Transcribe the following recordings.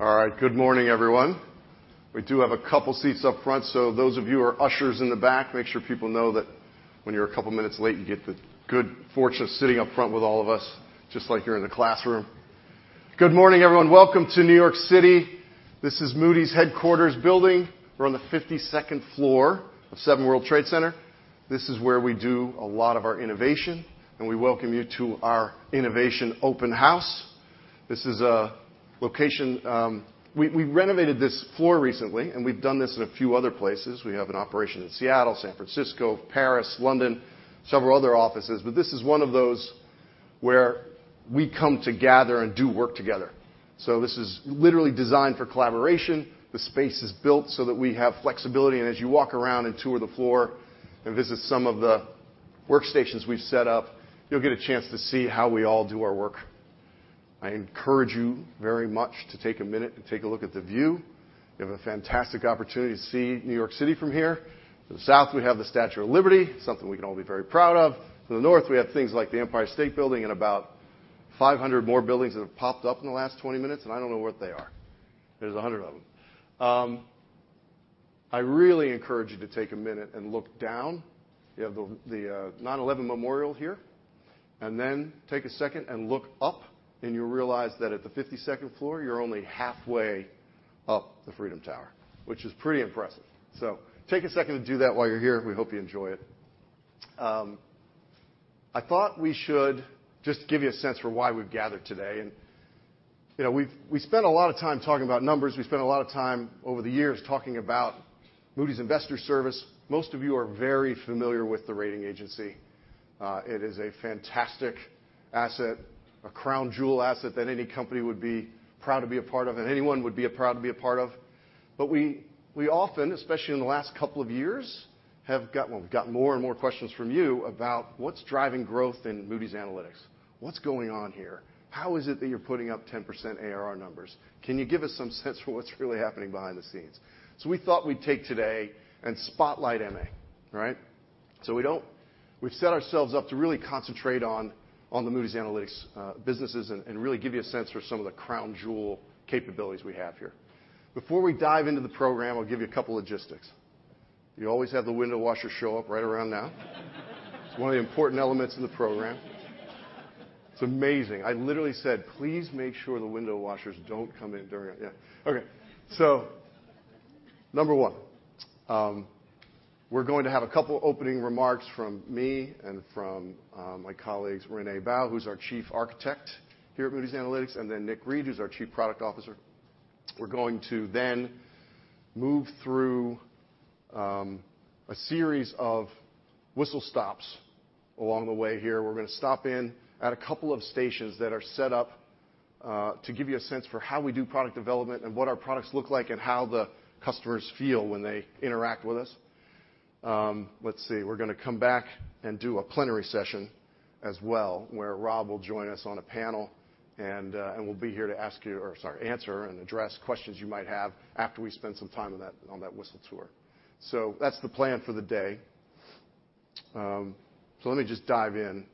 All right. Good morning, everyone. We do have a couple seats up front, so those of you who are ushers in the back, make sure people know that when you're a couple minutes late, you get the good fortune of sitting up front with all of us, just like you're in the classroom. Good morning, everyone. Welcome to New York City. This is Moody's headquarters building. We're on the 52nd floor of Seven World Trade Center. This is where we do a lot of our innovation, and we welcome you to our Innovation Open House. This is a location. We renovated this floor recently, and we've done this in a few other places. We have an operation in Seattle, San Francisco, Paris, London, several other offices, but this is one of those where we come to gather and do work together. So this is literally designed for collaboration. The space is built so that we have flexibility, and as you walk around and tour the floor and visit some of the workstations we've set up, you'll get a chance to see how we all do our work. I encourage you very much to take a minute and take a look at the view. You have a fantastic opportunity to see New York City from here. To the south, we have the Statue of Liberty, something we can all be very proud of. To the north, we have things like the Empire State Building and about 500 more buildings that have popped up in the last 20 minutes, and I don't know what they are. There's 100 of them. I really encourage you to take a minute and look down. You have the 9/11 Memorial here, and then take a second and look up, and you'll realize that at the 52nd floor, you're only halfway up the Freedom Tower, which is pretty impressive. So take a second to do that while you're here. We hope you enjoy it. I thought we should just give you a sense for why we've gathered today, and, you know, we spent a lot of time talking about numbers. We've spent a lot of time over the years talking about Moody's Investors Service. Most of you are very familiar with the rating agency. It is a fantastic asset, a crown jewel asset that any company would be proud to be a part of, and anyone would be a proud to be a part of. But we, we often, especially in the last couple of years, have got, well, we've got more and more questions from you about what's driving growth in Moody's Analytics. What's going on here? How is it that you're putting up 10% ARR numbers? Can you give us some sense for what's really happening behind the scenes? So we thought we'd take today and spotlight MA, right? So we don't—we've set ourselves up to really concentrate on, on the Moody's Analytics businesses and, and really give you a sense for some of the crown jewel capabilities we have here. Before we dive into the program, I'll give you a couple logistics. You always have the window washers show up right around now. It's one of the important elements of the program. It's amazing. I literally said, "Please make sure the window washers don't come in during..." Yeah, okay. So number one, we're going to have a couple opening remarks from me and from my colleagues, René Bouw, who's our Chief Architect here at Moody's Analytics, and then Nick Reed, who's our Chief Product Officer. We're going to then move through a series of whistle stops along the way here. We're gonna stop in at a couple of stations that are set up to give you a sense for how we do product development and what our products look like, and how the customers feel when they interact with us. Let's see, we're gonna come back and do a plenary session as well, where Rob will join us on a panel, and we'll be here to ask you, or sorry, answer and address questions you might have after we spend some time on that, on that whistle tour. So that's the plan for the day. So let me just dive in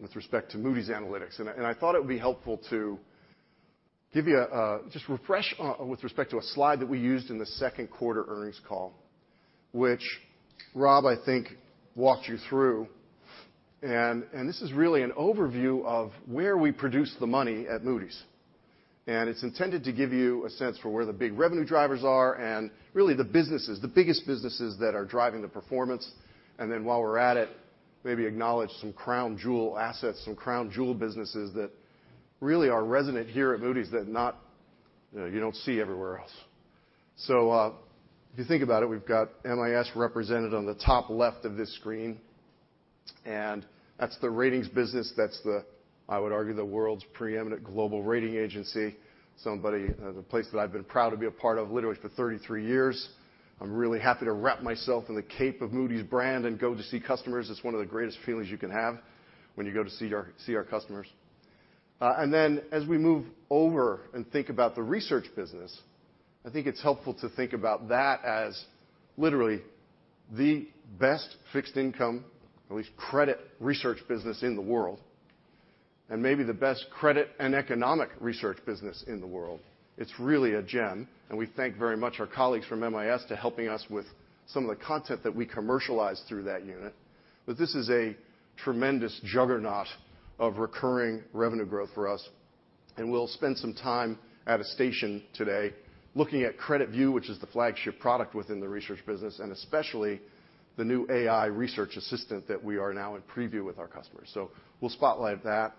with respect to Moody's Analytics, and I thought it would be helpful to give you a just refresh with respect to a slide that we used in the second quarter earnings call, which Rob, I think, walked you through. This is really an overview of where we produce the money at Moody's. It's intended to give you a sense for where the big revenue drivers are and really the businesses, the biggest businesses that are driving the performance. Then, while we're at it, maybe acknowledge some crown jewel assets, some crown jewel businesses that really are resonant here at Moody's, that, you know, you don't see everywhere else. So, if you think about it, we've got MIS represented on the top left of this screen, and that's the ratings business. That's the, I would argue, the world's preeminent global rating agency, somebody, the place that I've been proud to be a part of, literally for 33 years. I'm really happy to wrap myself in the cape of Moody's brand and go to see customers. It's one of the greatest feelings you can have when you go to see our, see our customers. And then, as we move over and think about the research business, I think it's helpful to think about that as literally the best fixed income, at least credit research business in the world, and maybe the best credit and economic research business in the world. It's really a gem, and we thank very much our colleagues from MIS for helping us with some of the content that we commercialize through that unit. But this is a tremendous juggernaut of recurring revenue growth for us, and we'll spend some time at a station today looking at CreditView, which is the flagship product within the research business, and especially the new AI Research Assistant that we are now in preview with our customers. So we'll spotlight that.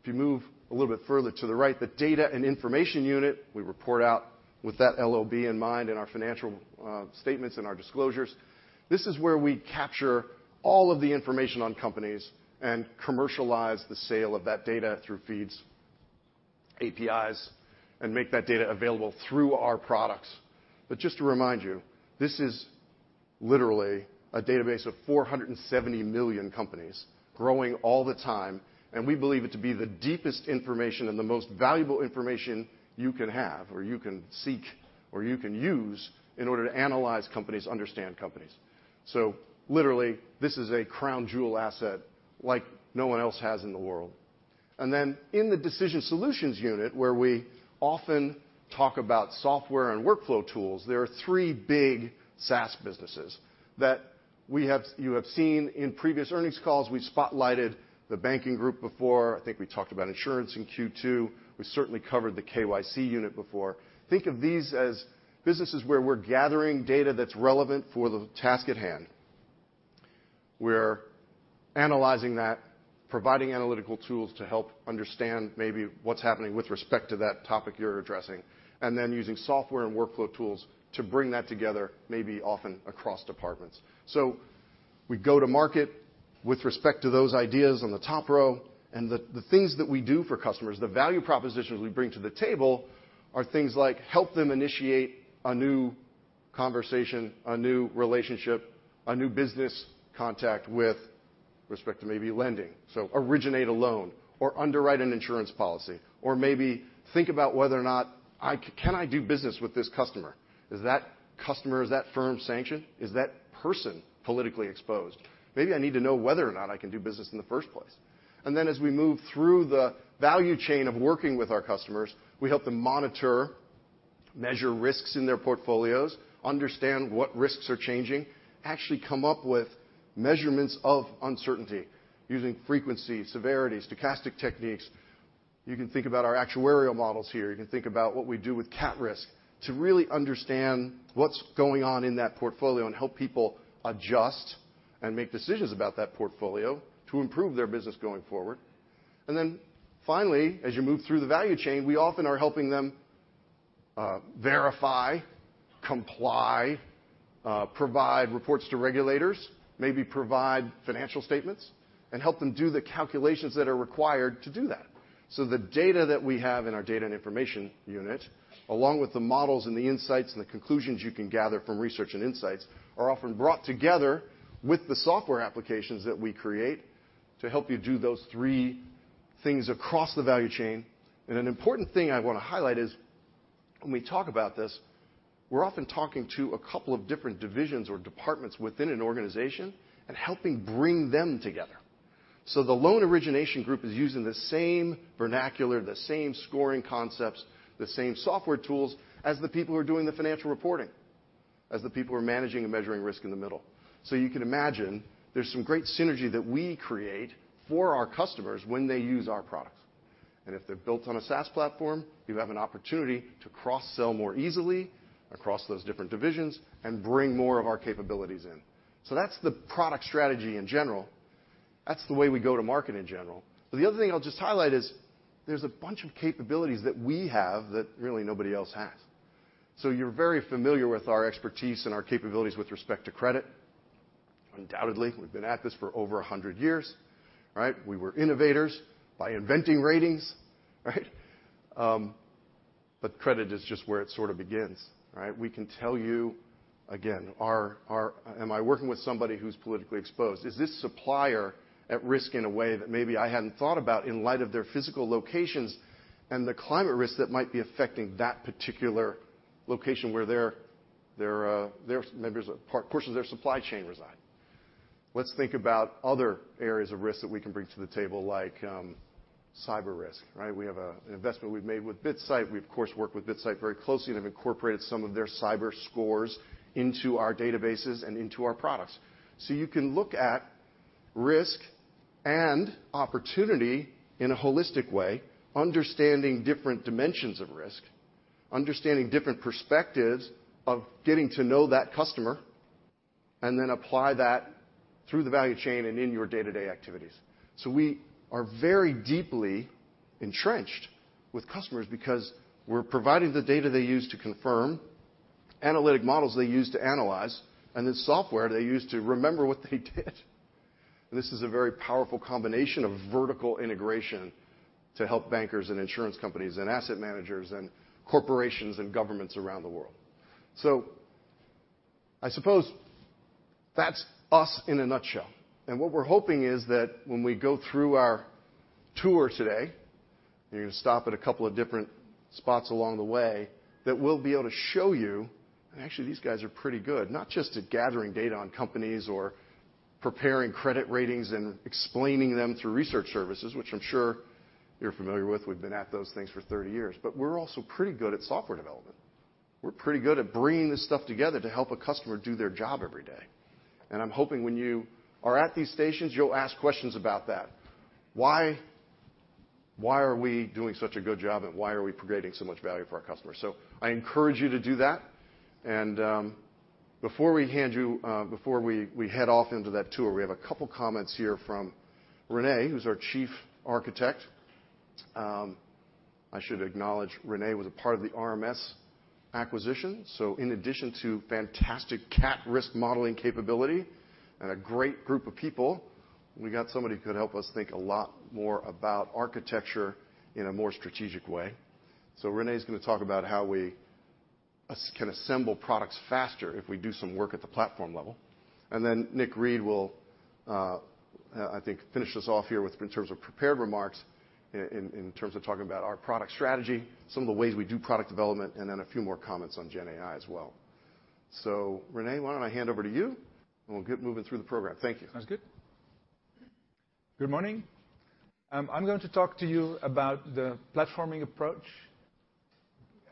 If you move a little bit further to the right, the Data and Information unit, we report out with that LOB in mind in our financial statements and our disclosures. This is where we capture all of the information on companies and commercialize the sale of that data through feeds, APIs, and make that data available through our products. But just to remind you, this is literally a database of 470 million companies growing all the time, and we believe it to be the deepest information and the most valuable information you can have, or you can seek, or you can use in order to analyze companies, understand companies. So literally, this is a crown jewel asset like no one else has in the world. And then in the Decision Solutions unit, where we often talk about software and workflow tools, there are three big SaaS businesses that we have. You have seen in previous earnings calls. We've spotlighted the Banking group before. I think we talked about Insurance in Q2. We certainly covered the KYC unit before. Think of these as businesses where we're gathering data that's relevant for the task at hand. We're analyzing that, providing analytical tools to help understand maybe what's happening with respect to that topic you're addressing, and then using software and workflow tools to bring that together, maybe often across departments. So we go to market with respect to those ideas on the top row, and the, the things that we do for customers, the value propositions we bring to the table, are things like help them initiate a new conversation, a new relationship, a new business contact with respect to maybe lending. So originate a loan or underwrite an Insurance policy, or maybe think about whether or not I can do business with this customer? Is that customer, is that firm sanctioned? Is that person politically exposed? Maybe I need to know whether or not I can do business in the first place. And then, as we move through the value chain of working with our customers, we help them monitor, measure risks in their portfolios, understand what risks are changing, actually come up with measurements of uncertainty using frequency, severity, stochastic techniques. You can think about our actuarial models here. You can think about what we do with Cat risk to really understand what's going on in that portfolio and help people adjust and make decisions about that portfolio to improve their business going forward. And then finally, as you move through the value chain, we often are helping them, verify, comply, provide reports to regulators, maybe provide financial statements, and help them do the calculations that are required to do that. The data that we have in our data and information unit, along with the models and the insights, and the conclusions you can gather from research and insights, are often brought together with the software applications that we create to help you do those three things across the value chain. An important thing I want to highlight is, when we talk about this, we're often talking to a couple of different divisions or departments within an organization and helping bring them together. The loan origination group is using the same vernacular, the same scoring concepts, the same software tools as the people who are doing the financial reporting, as the people who are managing and measuring risk in the middle. You can imagine there's some great synergy that we create for our customers when they use our products. If they're built on a SaaS platform, you have an opportunity to cross-sell more easily across those different divisions and bring more of our capabilities in. So that's the product strategy in general. That's the way we go to market in general. But the other thing I'll just highlight is there's a bunch of capabilities that we have that really nobody else has. So you're very familiar with our expertise and our capabilities with respect to credit. Undoubtedly, we've been at this for over 100 years, right? We were Innovators by inventing ratings, right? But credit is just where it sort of begins, right? We can tell you again, "Am I working with somebody who's politically exposed? Is this supplier at risk in a way that maybe I hadn't thought about in light of their physical locations and the climate risk that might be affecting that particular location where their portions of their supply chain reside?" Let's think about other areas of risk that we can bring to the table, like, cyber risk, right? We have an investment we've made with BitSight. We, of course, work with BitSight very closely and have incorporated some of their cyber scores into our databases and into our products. So you can look at risk and opportunity in a holistic way, understanding different dimensions of risk, understanding different perspectives of getting to know that customer, and then apply that through the value chain and in your day-to-day activities. So we are very deeply entrenched with customers because we're providing the data they use to confirm, analytic models they use to analyze, and the software they use to remember what they did. This is a very powerful combination of vertical integration to help bankers, and Insurance companies, and asset managers, and corporations, and governments around the world. So I suppose that's us in a nutshell. And what we're hoping is that when we go through our tour today, we're gonna stop at a couple of different spots along the way, that we'll be able to show you... And actually, these guys are pretty good, not just at gathering data on companies or preparing credit ratings and explaining them through research services, which I'm sure you're familiar with. We've been at those things for 30 years, but we're also pretty good at software development. We're pretty good at bringing this stuff together to help a customer do their job every day. And I'm hoping when you are at these stations, you'll ask questions about that. Why, why are we doing such a good job, and why are we creating so much value for our customers? So I encourage you to do that, and before we head off into that tour, we have a couple comments here from René, who's our Chief Architect. I should acknowledge René was a part of the RMS acquisition. So in addition to fantastic cat risk modeling capability and a great group of people, we got somebody who could help us think a lot more about architecture in a more strategic way. So René is going to talk about how we can assemble products faster if we do some work at the platform level. And then Nick Reed will, I think, finish us off here with in terms of prepared remarks in terms of talking about our product strategy, some of the ways we do product development, and then a few more comments on GenAI as well. So, René, why don't I hand over to you, and we'll get moving through the program. Thank you. Sounds good. Good morning. I'm going to talk to you about the platforming approach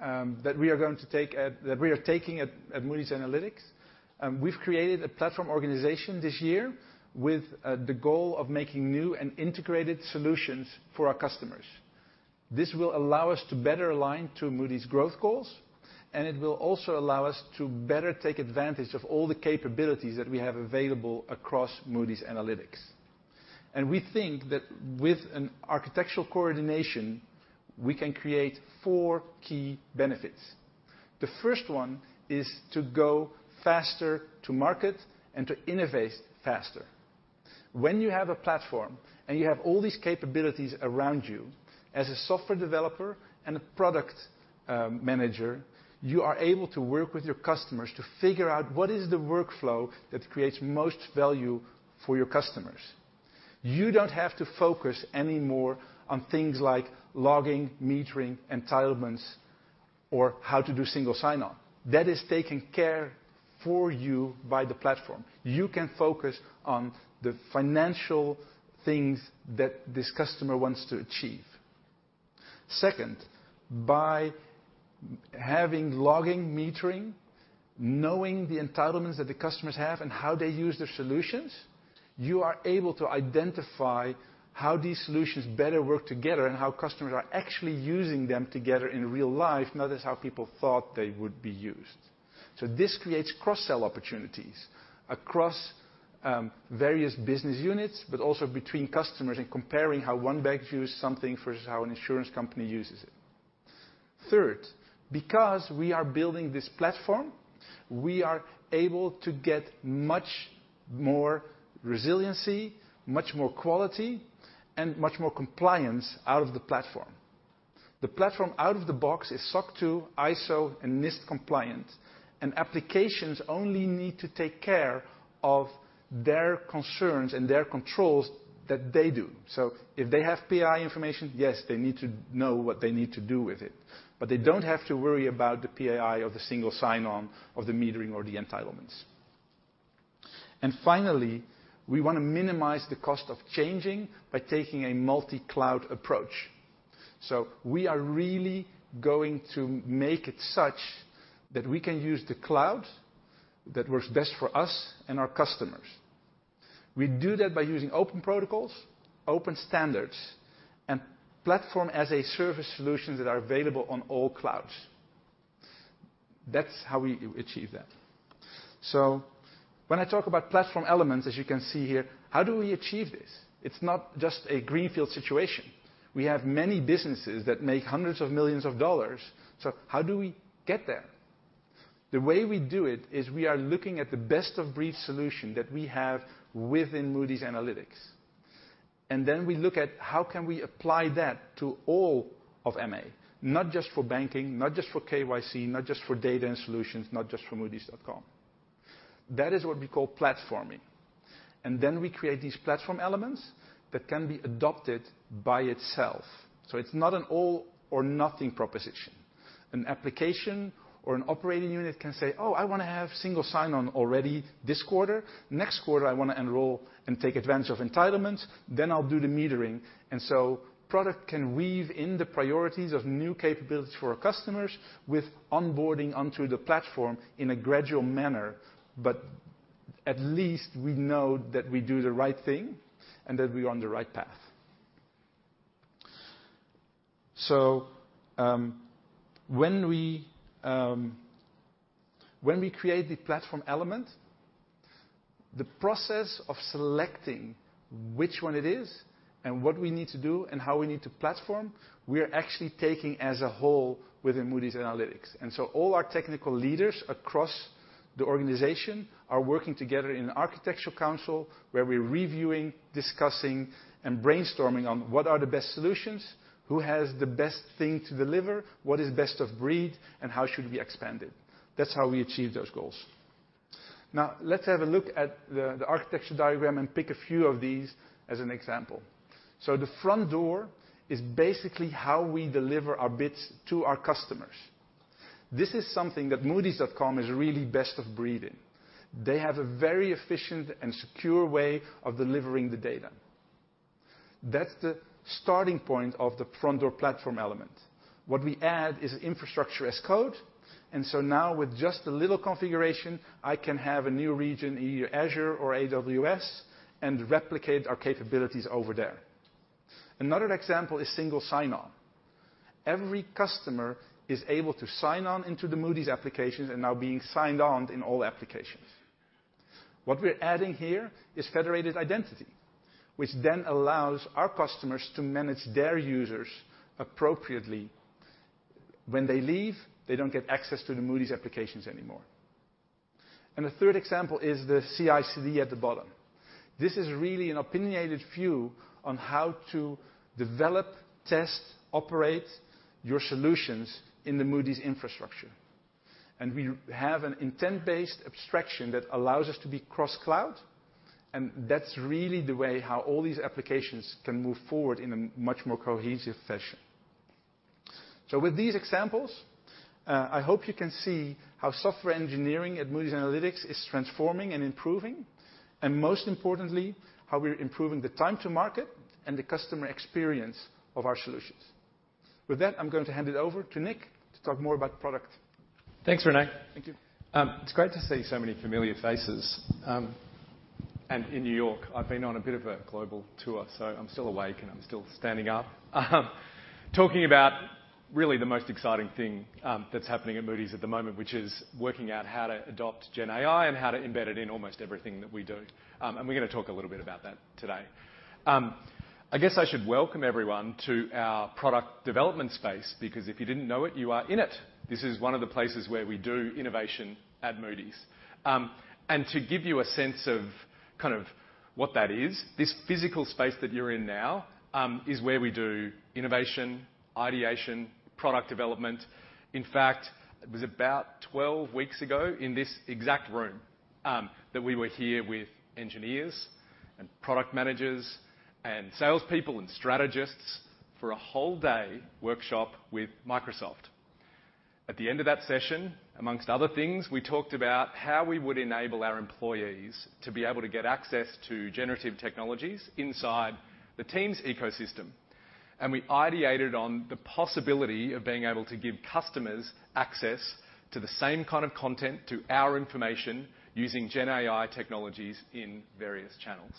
that we are taking at Moody's Analytics. We've created a platform organization this year with the goal of making new and integrated solutions for our customers. This will allow us to better align to Moody's growth goals, and it will also allow us to better take advantage of all the capabilities that we have available across Moody's Analytics. And we think that with an architectural coordination, we can create four key benefits. The first one is to go faster to market and to innovate faster. When you have a platform, and you have all these capabilities around you, as a software developer and a product manager, you are able to work with your customers to figure out what is the workflow that creates most value for your customers. You don't have to focus anymore on things like logging, metering, entitlements, or how to do single sign-on. That is taken care for you by the platform. You can focus on the financial things that this customer wants to achieve. Second, by having logging, metering, knowing the entitlements that the customers have and how they use their solutions, you are able to identify how these solutions better work together, and how customers are actually using them together in real life, not as how people thought they would be used. So this creates cross-sell opportunities across, various business units, but also between customers and comparing how one bank views something versus how an Insurance company uses it. Third, because we are building this platform, we are able to get much more resiliency, much more quality, and much more compliance out of the platform. The platform out of the box is SOC 2, ISO, and NIST compliant, and applications only need to take care of their concerns and their controls that they do. So if they have PII information, yes, they need to know what they need to do with it, but they don't have to worry about the PII or the single sign-on of the metering or the entitlements. And finally, we want to minimize the cost of changing by taking a multi-cloud approach. So we are really going to make it such that we can use the cloud that works best for us and our customers. We do that by using open protocols, open standards, and Platform-as-a-Service solutions that are available on all clouds. That's how we achieve that. So when I talk about platform elements, as you can see here, how do we achieve this? It's not just a greenfield situation. We have many businesses that make hundreds of millions of dollars, so how do we get there? The way we do it is we are looking at the best-of-breed solution that we have within Moody's Analytics, and then we look at how can we apply that to all of MA, not just for banking, not just for KYC, not just for data and solutions, not just for Moody's.com. That is what we call platforming, and then we create these platform elements that can be adopted by itself. So it's not an all or nothing proposition. An application or an operating unit can say, "Oh, I wanna have single sign-on already this quarter. Next quarter, I want to enroll and take advantage of entitlements, then I'll do the metering." And so product can weave in the priorities of new capabilities for our customers with onboarding onto the platform in a gradual manner, but at least we know that we do the right thing and that we're on the right path. So, when we create the platform element, the process of selecting which one it is and what we need to do and how we need to platform, we are actually taking as a whole within Moody's Analytics. And so all our technical leaders across the organization are working together in an architectural council, where we're reviewing, discussing, and brainstorming on what are the best solutions, who has the best thing to deliver, what is best of breed, and how should we expand it. That's how we achieve those goals. Now, let's have a look at the architecture diagram and pick a few of these as an example. So the front door is basically how we deliver our bits to our customers. This is something that Moody's.com is really best of breed in. They have a very efficient and secure way of delivering the data. That's the starting point of the front door platform element. What we add is Infrastructure as Code, and so now with just a little configuration, I can have a new region in either Azure or AWS, and replicate our capabilities over there. Another example is single sign-on. Every customer is able to sign on into the Moody's applications and now being signed on in all applications. What we're adding here is federated identity, which then allows our customers to manage their users appropriately. When they leave, they don't get access to the Moody's applications anymore. The third example is the CI/CD at the bottom. This is really an opinionated view on how to develop, test, operate your solutions in the Moody's infrastructure. We have an intent-based abstraction that allows us to be cross-cloud, and that's really the way how all these applications can move forward in a much more cohesive fashion.... With these examples, I hope you can see how software engineering at Moody's Analytics is transforming and improving, and most importantly, how we're improving the time to market and the customer experience of our solutions. With that, I'm going to hand it over to Nick to talk more about product. Thanks, René. Thank you. It's great to see so many familiar faces, and in New York. I've been on a bit of a global tour, so I'm still awake, and I'm still standing up. Talking about really the most exciting thing that's happening at Moody's at the moment, which is working out how to adopt GenAI and how to embed it in almost everything that we do. And we're gonna talk a little bit about that today. I guess I should welcome everyone to our product development space, because if you didn't know it, you are in it. This is one of the places where we do innovation at Moody's. And to give you a sense of kind of what that is, this physical space that you're in now is where we do innovation, ideation, product development. In fact, it was about 12 weeks ago in this exact room that we were here with engineers and product managers, and salespeople and strategists for a whole day workshop with Microsoft. At the end of that session, among other things, we talked about how we would enable our employees to be able to get access to generative technologies inside the Teams ecosystem, and we ideated on the possibility of being able to give customers access to the same kind of content, to our information, using GenAI technologies in various channels.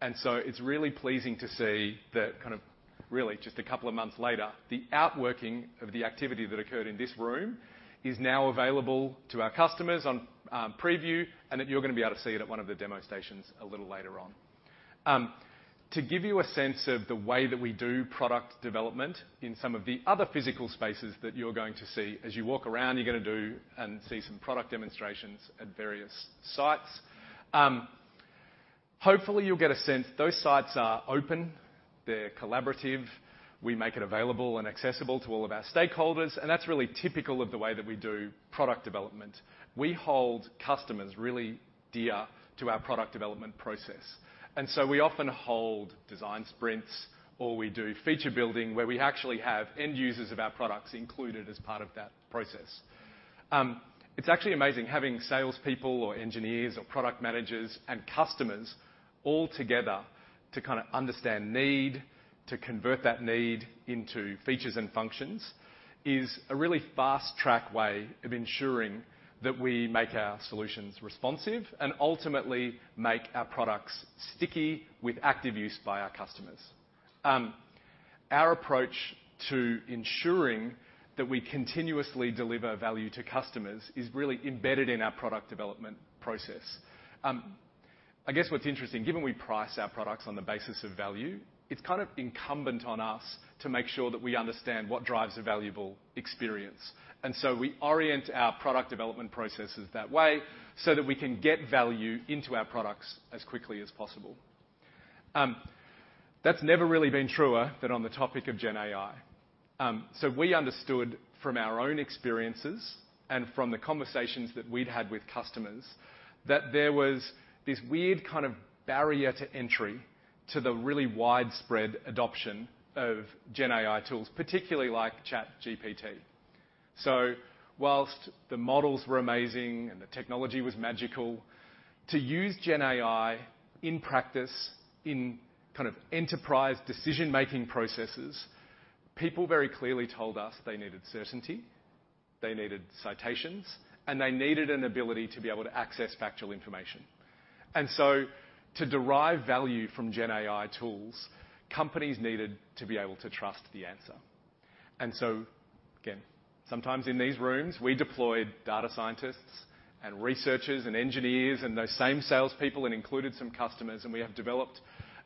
And so it's really pleasing to see that kind of really, just a couple of months later, the outworking of the activity that occurred in this room is now available to our customers on preview, and that you're going to be able to see it at one of the demo stations a little later on. To give you a sense of the way that we do product development in some of the other physical spaces that you're going to see, as you walk around, you're gonna do and see some product demonstrations at various sites. Hopefully, you'll get a sense. Those sites are open, they're collaborative. We make it available and accessible to all of our stakeholders, and that's really typical of the way that we do product development. We hold customers really dear to our product development process, and so we often hold design sprints, or we do feature building, where we actually have end users of our products included as part of that process. It's actually amazing having salespeople or engineers or product managers and customers all together to kind of understand need. To convert that need into features and functions, is a really fast-track way of ensuring that we make our solutions responsive and ultimately make our products sticky with active use by our customers. Our approach to ensuring that we continuously deliver value to customers is really embedded in our product development process. I guess what's interesting, given we price our products on the basis of value, it's kind of incumbent on us to make sure that we understand what drives a valuable experience, and so we orient our product development processes that way, so that we can get value into our products as quickly as possible. That's never really been truer than on the topic of GenAI. So we understood from our own experiences and from the conversations that we'd had with customers, that there was this weird kind of barrier to entry to the really widespread adoption of GenAI tools, particularly like ChatGPT. So while the models were amazing and the technology was magical, to use GenAI in practice in kind of enterprise decision-making processes, people very clearly told us they needed certainty, they needed citations, and they needed an ability to be able to access factual information. And so to derive value from GenAI tools, companies needed to be able to trust the answer. And so, again, sometimes in these rooms, we deployed data scientists and researchers and engineers, and those same salespeople, and included some customers, and we have developed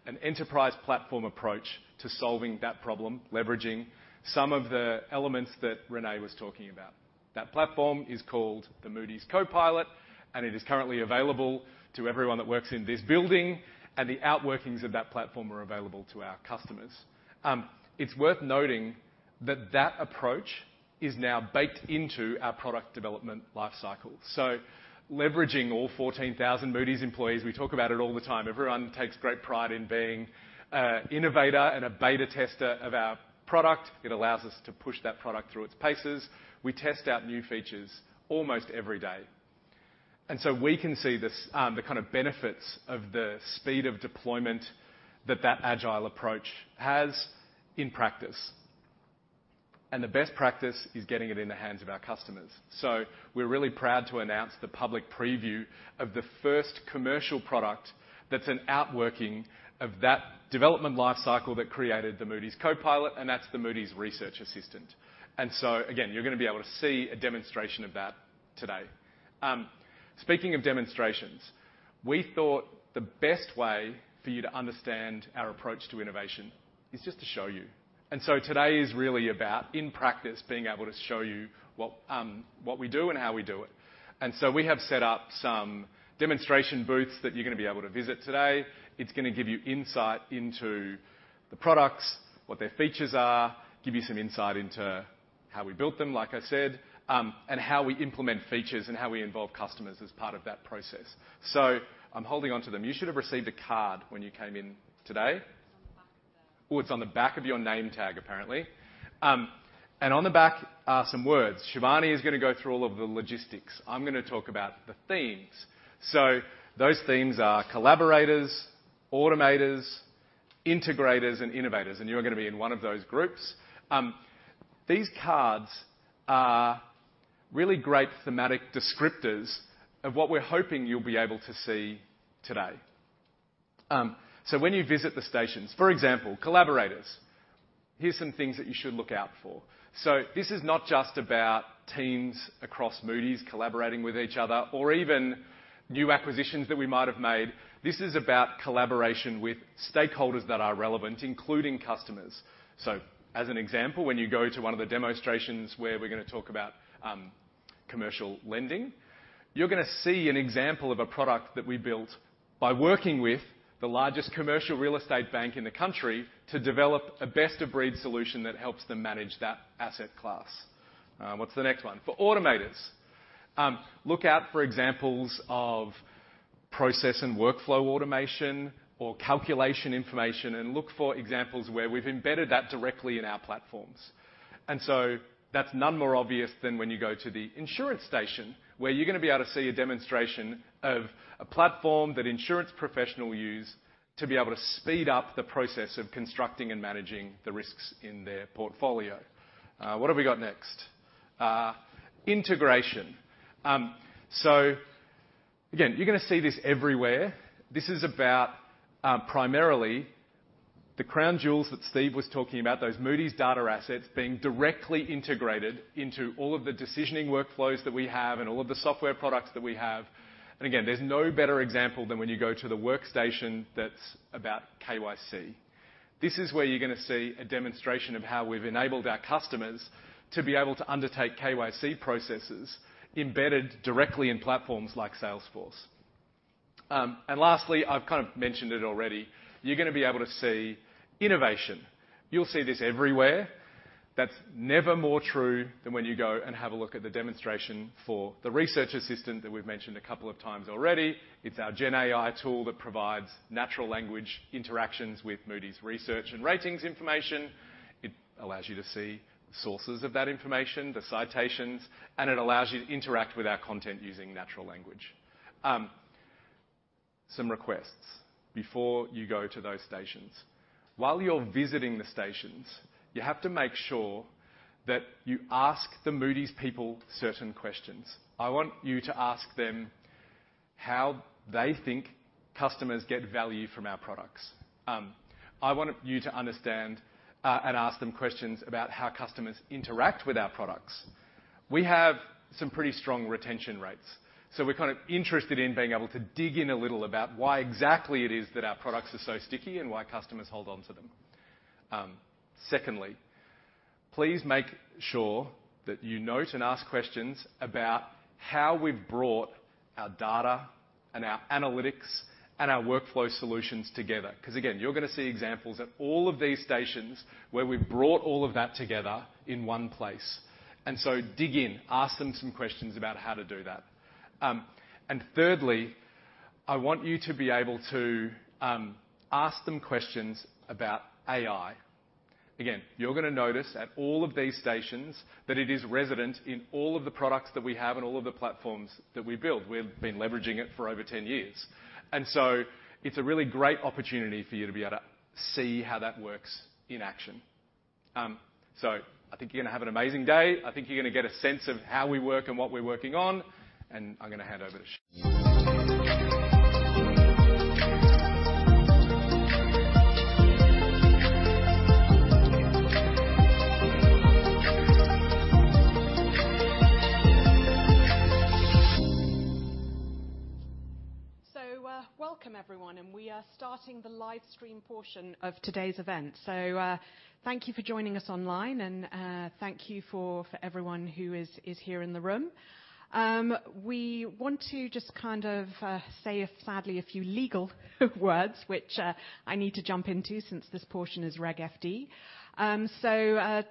an enterprise platform approach to solving that problem, leveraging some of the elements that René was talking about. That platform is called the Moody's Copilot, and it is currently available to everyone that works in this building, and the outworkings of that platform are available to our customers. It's worth noting that that approach is now baked into our product development life cycle. So leveraging all 14,000 Moody's employees, we talk about it all the time. Everyone takes great pride in being an innovator and a beta tester of our product. It allows us to push that product through its paces. We test out new features almost every day, and so we can see this, the kind of benefits of the speed of deployment that that agile approach has in practice. And the best practice is getting it in the hands of our customers. So we're really proud to announce the public preview of the first commercial product that's an outworking of that development life cycle that created the Moody's Copilot, and that's the Moody's Research Assistant. And so, again, you're gonna be able to see a demonstration of that today. Speaking of demonstrations, we thought the best way for you to understand our approach to innovation is just to show you. And so today is really about, in practice, being able to show you what, what we do and how we do it. And so we have set up some demonstration booths that you're gonna be able to visit today. It's gonna give you insight into the products, what their features are, give you some insight into how we built them, like I said, and how we implement features and how we involve customers as part of that process. I'm holding on to them. You should have received a card when you came in today. It's on the back of the- Oh, it's on the back of your name tag, apparently. And on the back are some words. Shivani is gonna go through all of the logistics. I'm gonna talk about the themes. So those themes are Collaborators, Automators, Integrators, and Innovators, and you're gonna be in one of those groups. These cards are really great thematic descriptors of what we're hoping you'll be able to see today. So when you visit the stations, for example, Collaborators, here's some things that you should look out for. So this is not just about teams across Moody's collaborating with each other or even new acquisitions that we might have made. This is about collaboration with stakeholders that are relevant, including customers. So, as an example, when you go to one of the demonstrations where we're gonna talk about commercial lending, you're gonna see an example of a product that we built by working with the largest commercial real estate bank in the country to develop a best-of-breed solution that helps them manage that asset class. What's the next one? For Automators, look out for examples of process and workflow automation or calculation information, and look for examples where we've embedded that directly in our platforms. And so that's none more obvious than when you go to the Insurance station, where you're gonna be able to see a demonstration of a platform that Insurance professional use to be able to speed up the process of constructing and managing the risks in their portfolio. What have we got next? Integration. So again, you're gonna see this everywhere. This is about primarily the crown jewels that Steve was talking about, those Moody's data assets being directly integrated into all of the decisioning workflows that we have and all of the software products that we have. And again, there's no better example than when you go to the workstation that's about KYC. This is where you're gonna see a demonstration of how we've enabled our customers to be able to undertake KYC processes embedded directly in platforms like Salesforce. And lastly, I've kind of mentioned it already, you're gonna be able to see innovation. You'll see this everywhere. That's never more true than when you go and have a look at the demonstration for the Research Assistant that we've mentioned a couple of times already. It's our GenAI tool that provides natural language interactions with Moody's research and ratings information. It allows you to see sources of that information, the citations, and it allows you to interact with our content using natural language. Some requests before you go to those stations. While you're visiting the stations, you have to make sure that you ask the Moody's people certain questions. I want you to ask them how they think customers get value from our products. I want you to understand and ask them questions about how customers interact with our products. We have some pretty strong retention rates, so we're kind of interested in being able to dig in a little about why exactly it is that our products are so sticky and why customers hold on to them. Secondly, please make sure that you note and ask questions about how we've brought our data and our analytics and our workflow solutions together. 'Cause again, you're gonna see examples at all of these stations where we've brought all of that together in one place. And so dig in, ask them some questions about how to do that. And thirdly, I want you to be able to ask them questions about AI. Again, you're gonna notice at all of these stations that it is resident in all of the products that we have and all of the platforms that we build. We've been leveraging it for over 10 years, and so it's a really great opportunity for you to be able to see how that works in action. So I think you're gonna have an amazing day. I think you're gonna get a sense of how we work and what we're working on, and I'm gonna hand over to Shivani. So, welcome everyone, and we are starting the live stream portion of today's event. So, thank you for joining us online, and thank you for everyone who is here in the room. We want to just kind of say, sadly, a few legal words, which I need to jump into since this portion is Reg FD. So,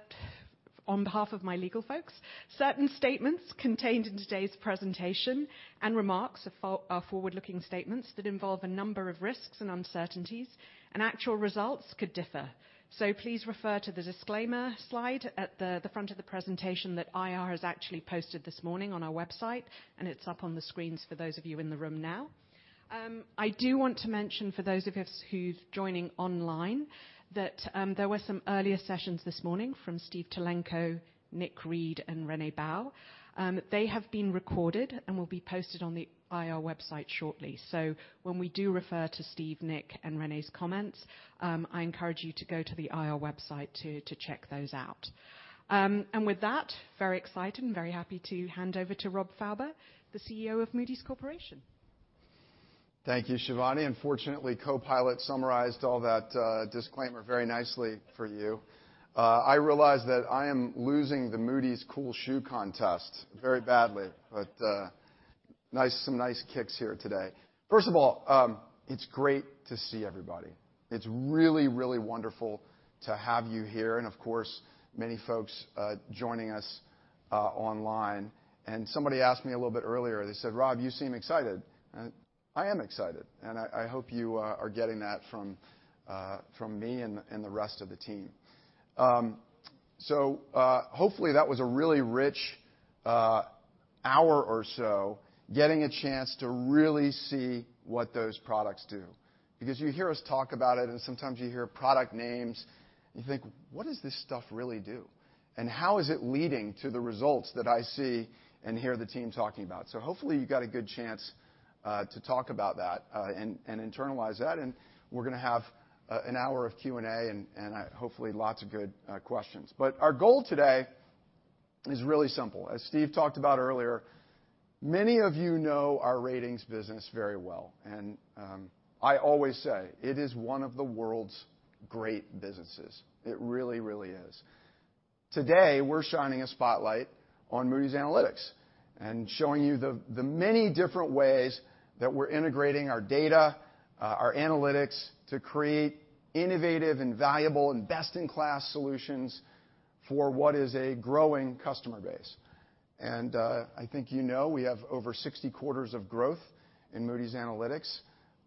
on behalf of my legal folks, certain statements contained in today's presentation and remarks are forward-looking statements that involve a number of risks and uncertainties, and actual results could differ. So please refer to the disclaimer slide at the front of the presentation that IR has actually posted this morning on our website, and it's up on the screens for those of you in the room now. I do want to mention, for those of us who's joining online, that there were some earlier sessions this morning from Steve Tulenko, Nick Reed, and René Bouw. They have been recorded and will be posted on the IR website shortly. So when we do refer to Steve, Nick, and René's comments, I encourage you to go to the IR website to check those out. And with that, very excited and very happy to hand over to Rob Fauber, the CEO of Moody's Corporation. Thank you, Shivani. And fortunately, Copilot summarized all that, disclaimer very nicely for you. I realize that I am losing the Moody's cool shoe contest very badly, but,... Nice, some nice kicks here today. First of all, it's great to see everybody. It's really, really wonderful to have you here and, of course, many folks joining us online. And somebody asked me a little bit earlier, they said, "Rob, you seem excited." And I am excited, and I hope you are getting that from me and the rest of the team. So, hopefully, that was a really rich hour or so getting a chance to really see what those products do. Because you hear us talk about it, and sometimes you hear product names, and you think, "What does this stuff really do? And how is it leading to the results that I see and hear the team talking about?" So hopefully, you got a good chance to talk about that, and internalize that, and we're gonna have an hour of Q&A and hopefully lots of good questions. But our goal today is really simple. As Steve talked about earlier, many of you know our ratings business very well, and I always say it is one of the world's great businesses. It really, really is. Today, we're shining a spotlight on Moody's Analytics, and showing you the many different ways that we're integrating our data, our analytics, to create innovative and valuable and best-in-class solutions for what is a growing customer base. And I think you know, we have over 60 quarters of growth in Moody's Analytics.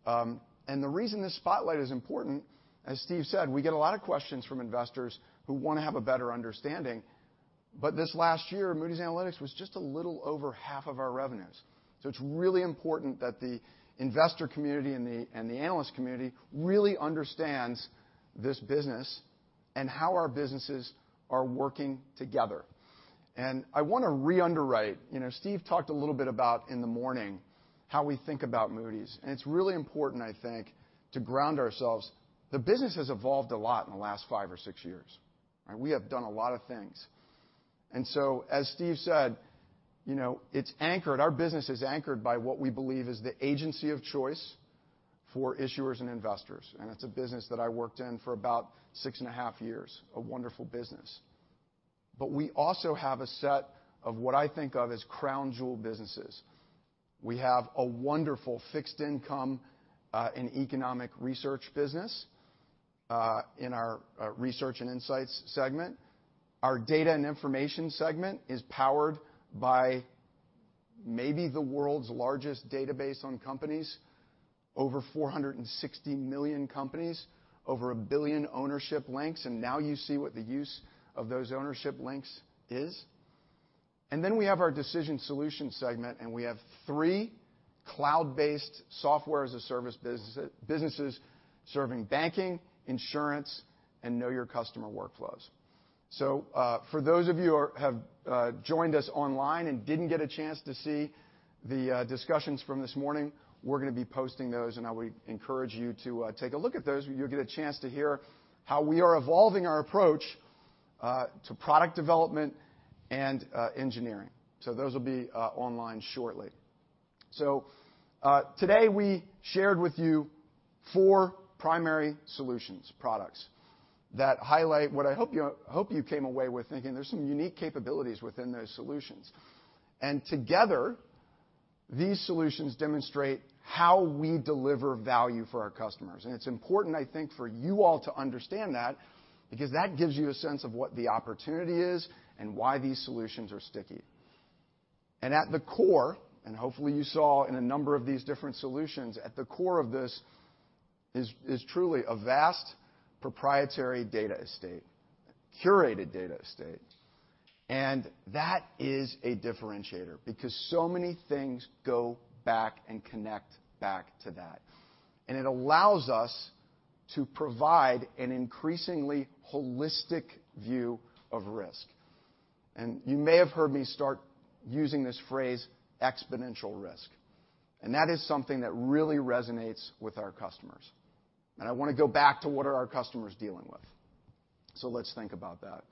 And the reason this spotlight is important, as Steve said, we get a lot of questions from investors who wanna have a better understanding, but this last year, Moody's Analytics was just a little over half of our revenues. So it's really important that the investor community and the, and the analyst community really understands this business and how our businesses are working together. And I wanna re-underwrite. You know, Steve talked a little bit about, in the morning, how we think about Moody's, and it's really important, I think, to ground ourselves. The business has evolved a lot in the last five or six years. And we have done a lot of things. And so, as Steve said, you know, it's anchored. Our business is anchored by what we believe is the agency of choice for issuers and investors, and it's a business that I worked in for about six and a half years, a wonderful business. But we also have a set of what I think of as crown jewel businesses. We have a wonderful fixed income and economic research business in our Research and Insights segment. Our Data and Information segment is powered by maybe the world's largest database on companies, over 460 million companies, over one billion ownership links, and now you see what the use of those ownership links is. And then we have our Decision Solutions segment, and we have three cloud-based software-as-a-service businesses serving banking, Insurance, and know-your-customer workflows. So, for those of you who have joined us online and didn't get a chance to see the discussions from this morning, we're gonna be posting those, and I would encourage you to take a look at those. You'll get a chance to hear how we are evolving our approach to product development and engineering. So those will be online shortly. So, today, we shared with you four primary solutions, products, that highlight what I hope you, hope you came away with thinking there's some unique capabilities within those solutions. And together, these solutions demonstrate how we deliver value for our customers. And it's important, I think, for you all to understand that because that gives you a sense of what the opportunity is and why these solutions are sticky. And at the core, and hopefully, you saw in a number of these different solutions, at the core of this is truly a vast proprietary data estate, curated data estate. And that is a differentiator because so many things go back and connect back to that. And it allows us to provide an increasingly holistic view of risk. And you may have heard me start using this phrase, exponential risk, and that is something that really resonates with our customers. And I wanna go back to what are our customers dealing with. So let's think about that.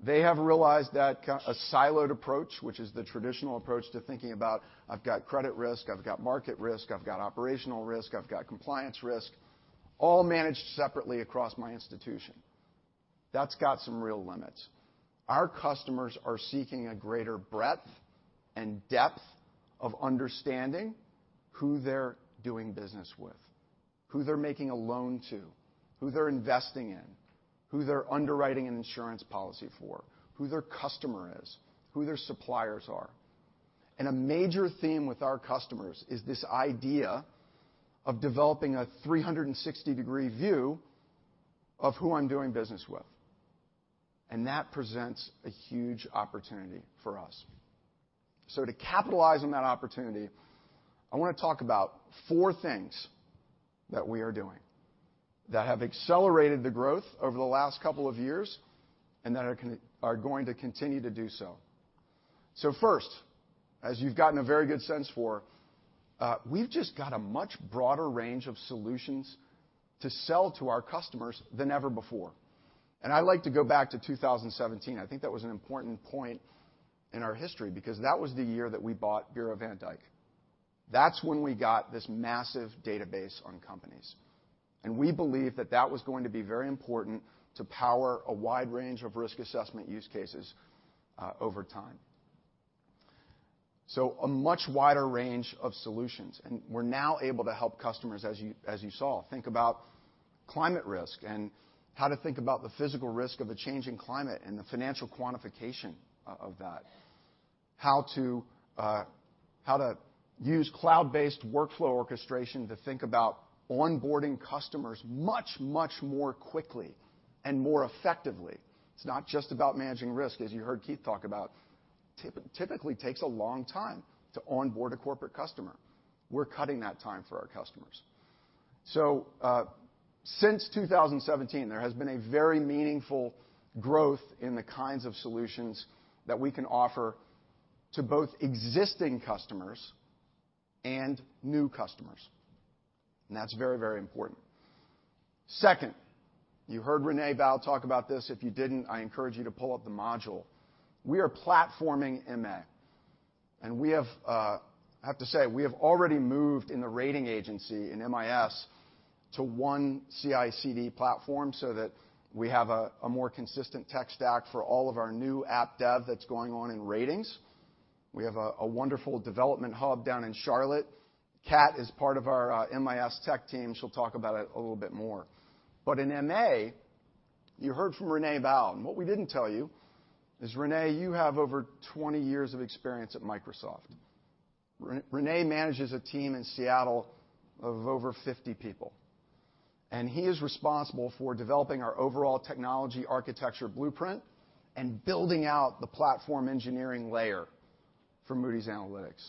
They have realized that a siloed approach, which is the traditional approach to thinking about, I've got credit risk, I've got market risk, I've got operational risk, I've got compliance risk, all managed separately across my institution. That's got some real limits. Our customers are seeking a greater breadth and depth of understanding who they're doing business with, who they're making a loan to, who they're investing in, who they're underwriting an Insurance policy for, who their customer is, who their suppliers are. And a major theme with our customers is this idea of developing a 360-degree view of who I'm doing business with, and that presents a huge opportunity for us. So to capitalize on that opportunity, I wanna talk about four things that we are doing that have accelerated the growth over the last couple of years, and that are going to continue to do so. So first, as you've gotten a very good sense for, we've just got a much broader range of solutions to sell to our customers than ever before. I'd like to go back to 2017. I think that was an important point in our history because that was the year that we bought Bureau van Dijk. That's when we got this massive database on companies.... We believe that that was going to be very important to power a wide range of risk assessment use cases over time. A much wider range of solutions, and we're now able to help customers, as you, as you saw, think about climate risk and how to think about the physical risk of a changing climate and the financial quantification of that. How to use cloud-based workflow orchestration to think about onboarding customers much, much more quickly and more effectively. It's not just about managing risk, as you heard Keith talk about. Typically takes a long time to onboard a corporate customer. We're cutting that time for our customers. Since 2017, there has been a very meaningful growth in the kinds of solutions that we can offer to both existing customers and new customers, and that's very, very important. Second, you heard René Bouw talk about this. If you didn't, I encourage you to pull up the module. We are platforming MA, and we have, I have to say, we have already moved in the rating agency in MIS to one CI/CD platform so that we have a more consistent tech stack for all of our new app dev that's going on in ratings. We have a wonderful development hub down in Charlotte. Cat is part of our MIS tech team. She'll talk about it a little bit more. But in MA, you heard from René Bouw, and what we didn't tell you is, René, you have over 20 years of experience at Microsoft. René manages a team in Seattle of over 50 people, and he is responsible for developing our overall technology architecture blueprint and building out the platform engineering layer for Moody's Analytics.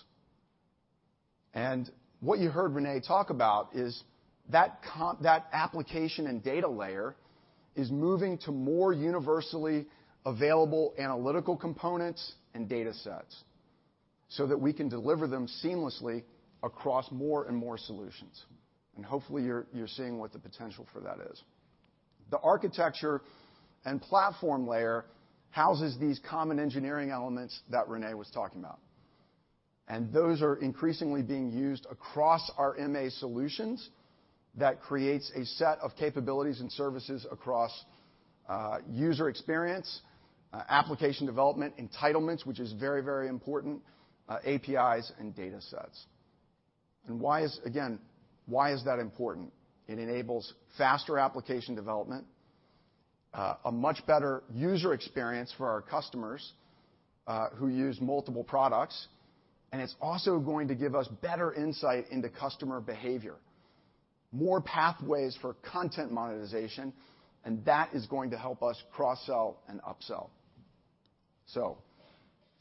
And what you heard René talk about is that that application and data layer is moving to more universally available analytical components and datasets so that we can deliver them seamlessly across more and more solutions. And hopefully, you're seeing what the potential for that is. The architecture and platform layer houses these common engineering elements that René was talking about, and those are increasingly being used across our MA solutions. That creates a set of capabilities and services across user experience, application development, entitlements, which is very, very important, APIs and datasets. Again, why is that important? It enables faster application development, a much better user experience for our customers who use multiple products, and it's also going to give us better insight into customer behavior, more pathways for content monetization, and that is going to help us cross-sell and upsell.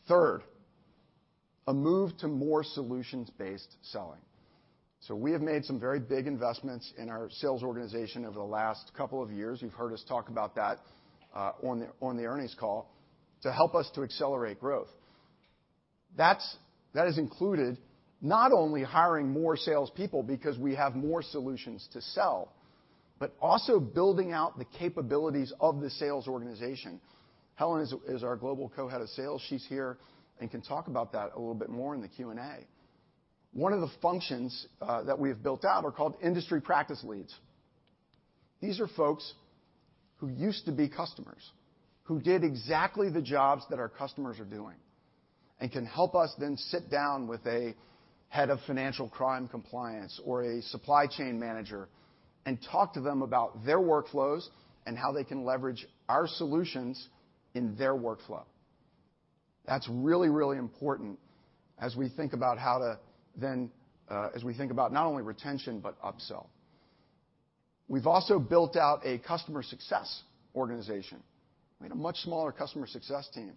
Third, a move to more solutions-based selling. We have made some very big investments in our sales organization over the last couple of years. You've heard us talk about that on the earnings call to help us to accelerate growth. That has included not only hiring more salespeople because we have more solutions to sell, but also building out the capabilities of the sales organization. Helen is our global co-head of sales. She's here and can talk about that a little bit more in the Q&A. One of the functions that we've built out are called Industry Practice Leads. These are folks who used to be customers, who did exactly the jobs that our customers are doing, and can help us then sit down with a head of Financial Crime Compliance or a supply chain manager and talk to them about their workflows and how they can leverage our solutions in their workflow. That's really, really important as we think about how to then as we think about not only retention, but upsell. We've also built out a Customer Success organization. We had a much smaller Customer Success team.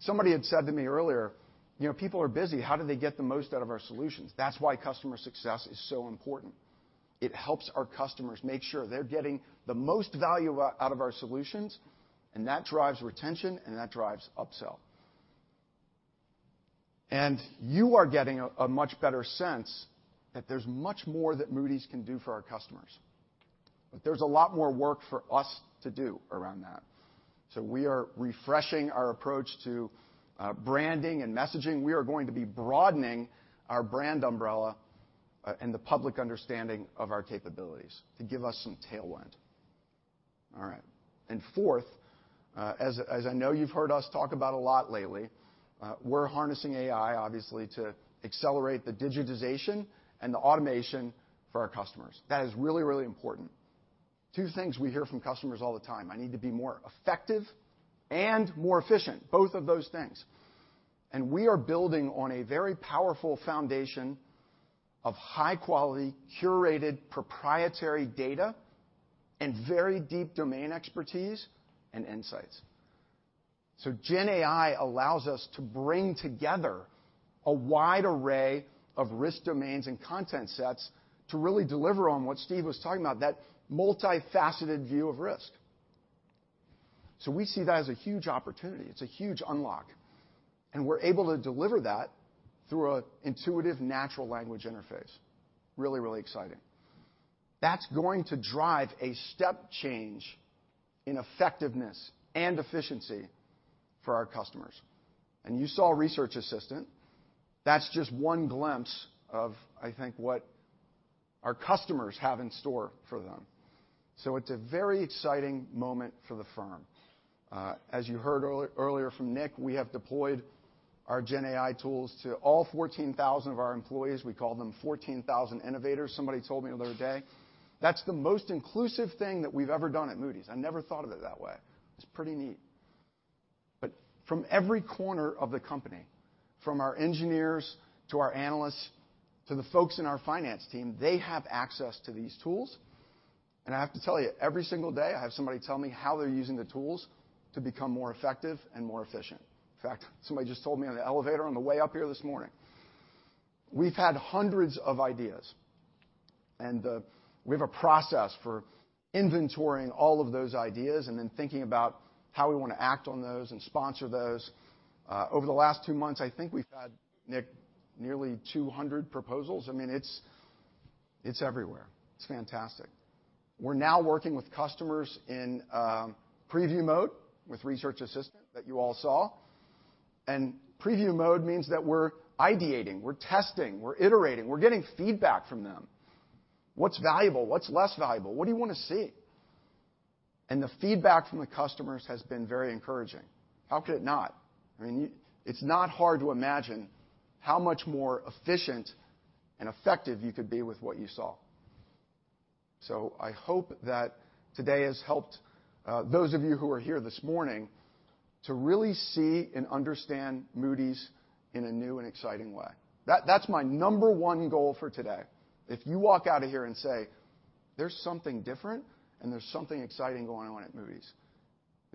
Somebody had said to me earlier, "You know, people are busy. How do they get the most out of our solutions? That's why Customer Success is so important. It helps our customers make sure they're getting the most value out of our solutions, and that drives retention, and that drives upsell. And you are getting a much better sense that there's much more that Moody's can do for our customers. But there's a lot more work for us to do around that, so we are refreshing our approach to branding and messaging. We are going to be broadening our brand umbrella and the public understanding of our capabilities to give us some tailwind. All right. And fourth, as I know you've heard us talk about a lot lately, we're harnessing AI, obviously, to accelerate the digitization and the automation for our customers. That is really, really important. Two things we hear from customers all the time: "I need to be more effective and more efficient," both of those things. And we are building on a very powerful foundation of high-quality, curated, proprietary data and very deep domain expertise and insights. So GenAI allows us to bring together a wide array of risk domains and content sets to really deliver on what Steve was talking about, that multifaceted view of risk. So we see that as a huge opportunity. It's a huge unlock, and we're able to deliver that through an intuitive natural language interface. Really, really exciting. That's going to drive a step change in effectiveness and efficiency for our customers. And you saw Research Assistant…. That's just one glimpse of, I think, what our customers have in store for them. So it's a very exciting moment for the firm. As you heard earlier from Nick, we have deployed our GenAI tools to all 14,000 of our employees. We call them 14,000 Innovators. Somebody told me the other day, "That's the most inclusive thing that we've ever done at Moody's." I never thought of it that way. It's pretty neat. But from every corner of the company, from our engineers, to our analysts, to the folks in our finance team, they have access to these tools. And I have to tell you, every single day, I have somebody tell me how they're using the tools to become more effective and more efficient. In fact, somebody just told me on the elevator on the way up here this morning. We've had hundreds of ideas, and we have a process for inventorying all of those ideas and then thinking about how we wanna act on those and sponsor those. Over the last two months, I think we've had, Nick, nearly 200 proposals. I mean, it's everywhere. It's fantastic. We're now working with customers in preview mode with Research Assistant that you all saw, and preview mode means that we're ideating, we're testing, we're iterating, we're getting feedback from them. What's valuable? What's less valuable? What do you wanna see? And the feedback from the customers has been very encouraging. How could it not? I mean, you, it's not hard to imagine how much more efficient and effective you could be with what you saw. So I hope that today has helped, those of you who are here this morning to really see and understand Moody's in a new and exciting way. That's my number one goal for today. If you walk out of here and say, "There's something different, and there's something exciting going on at Moody's,"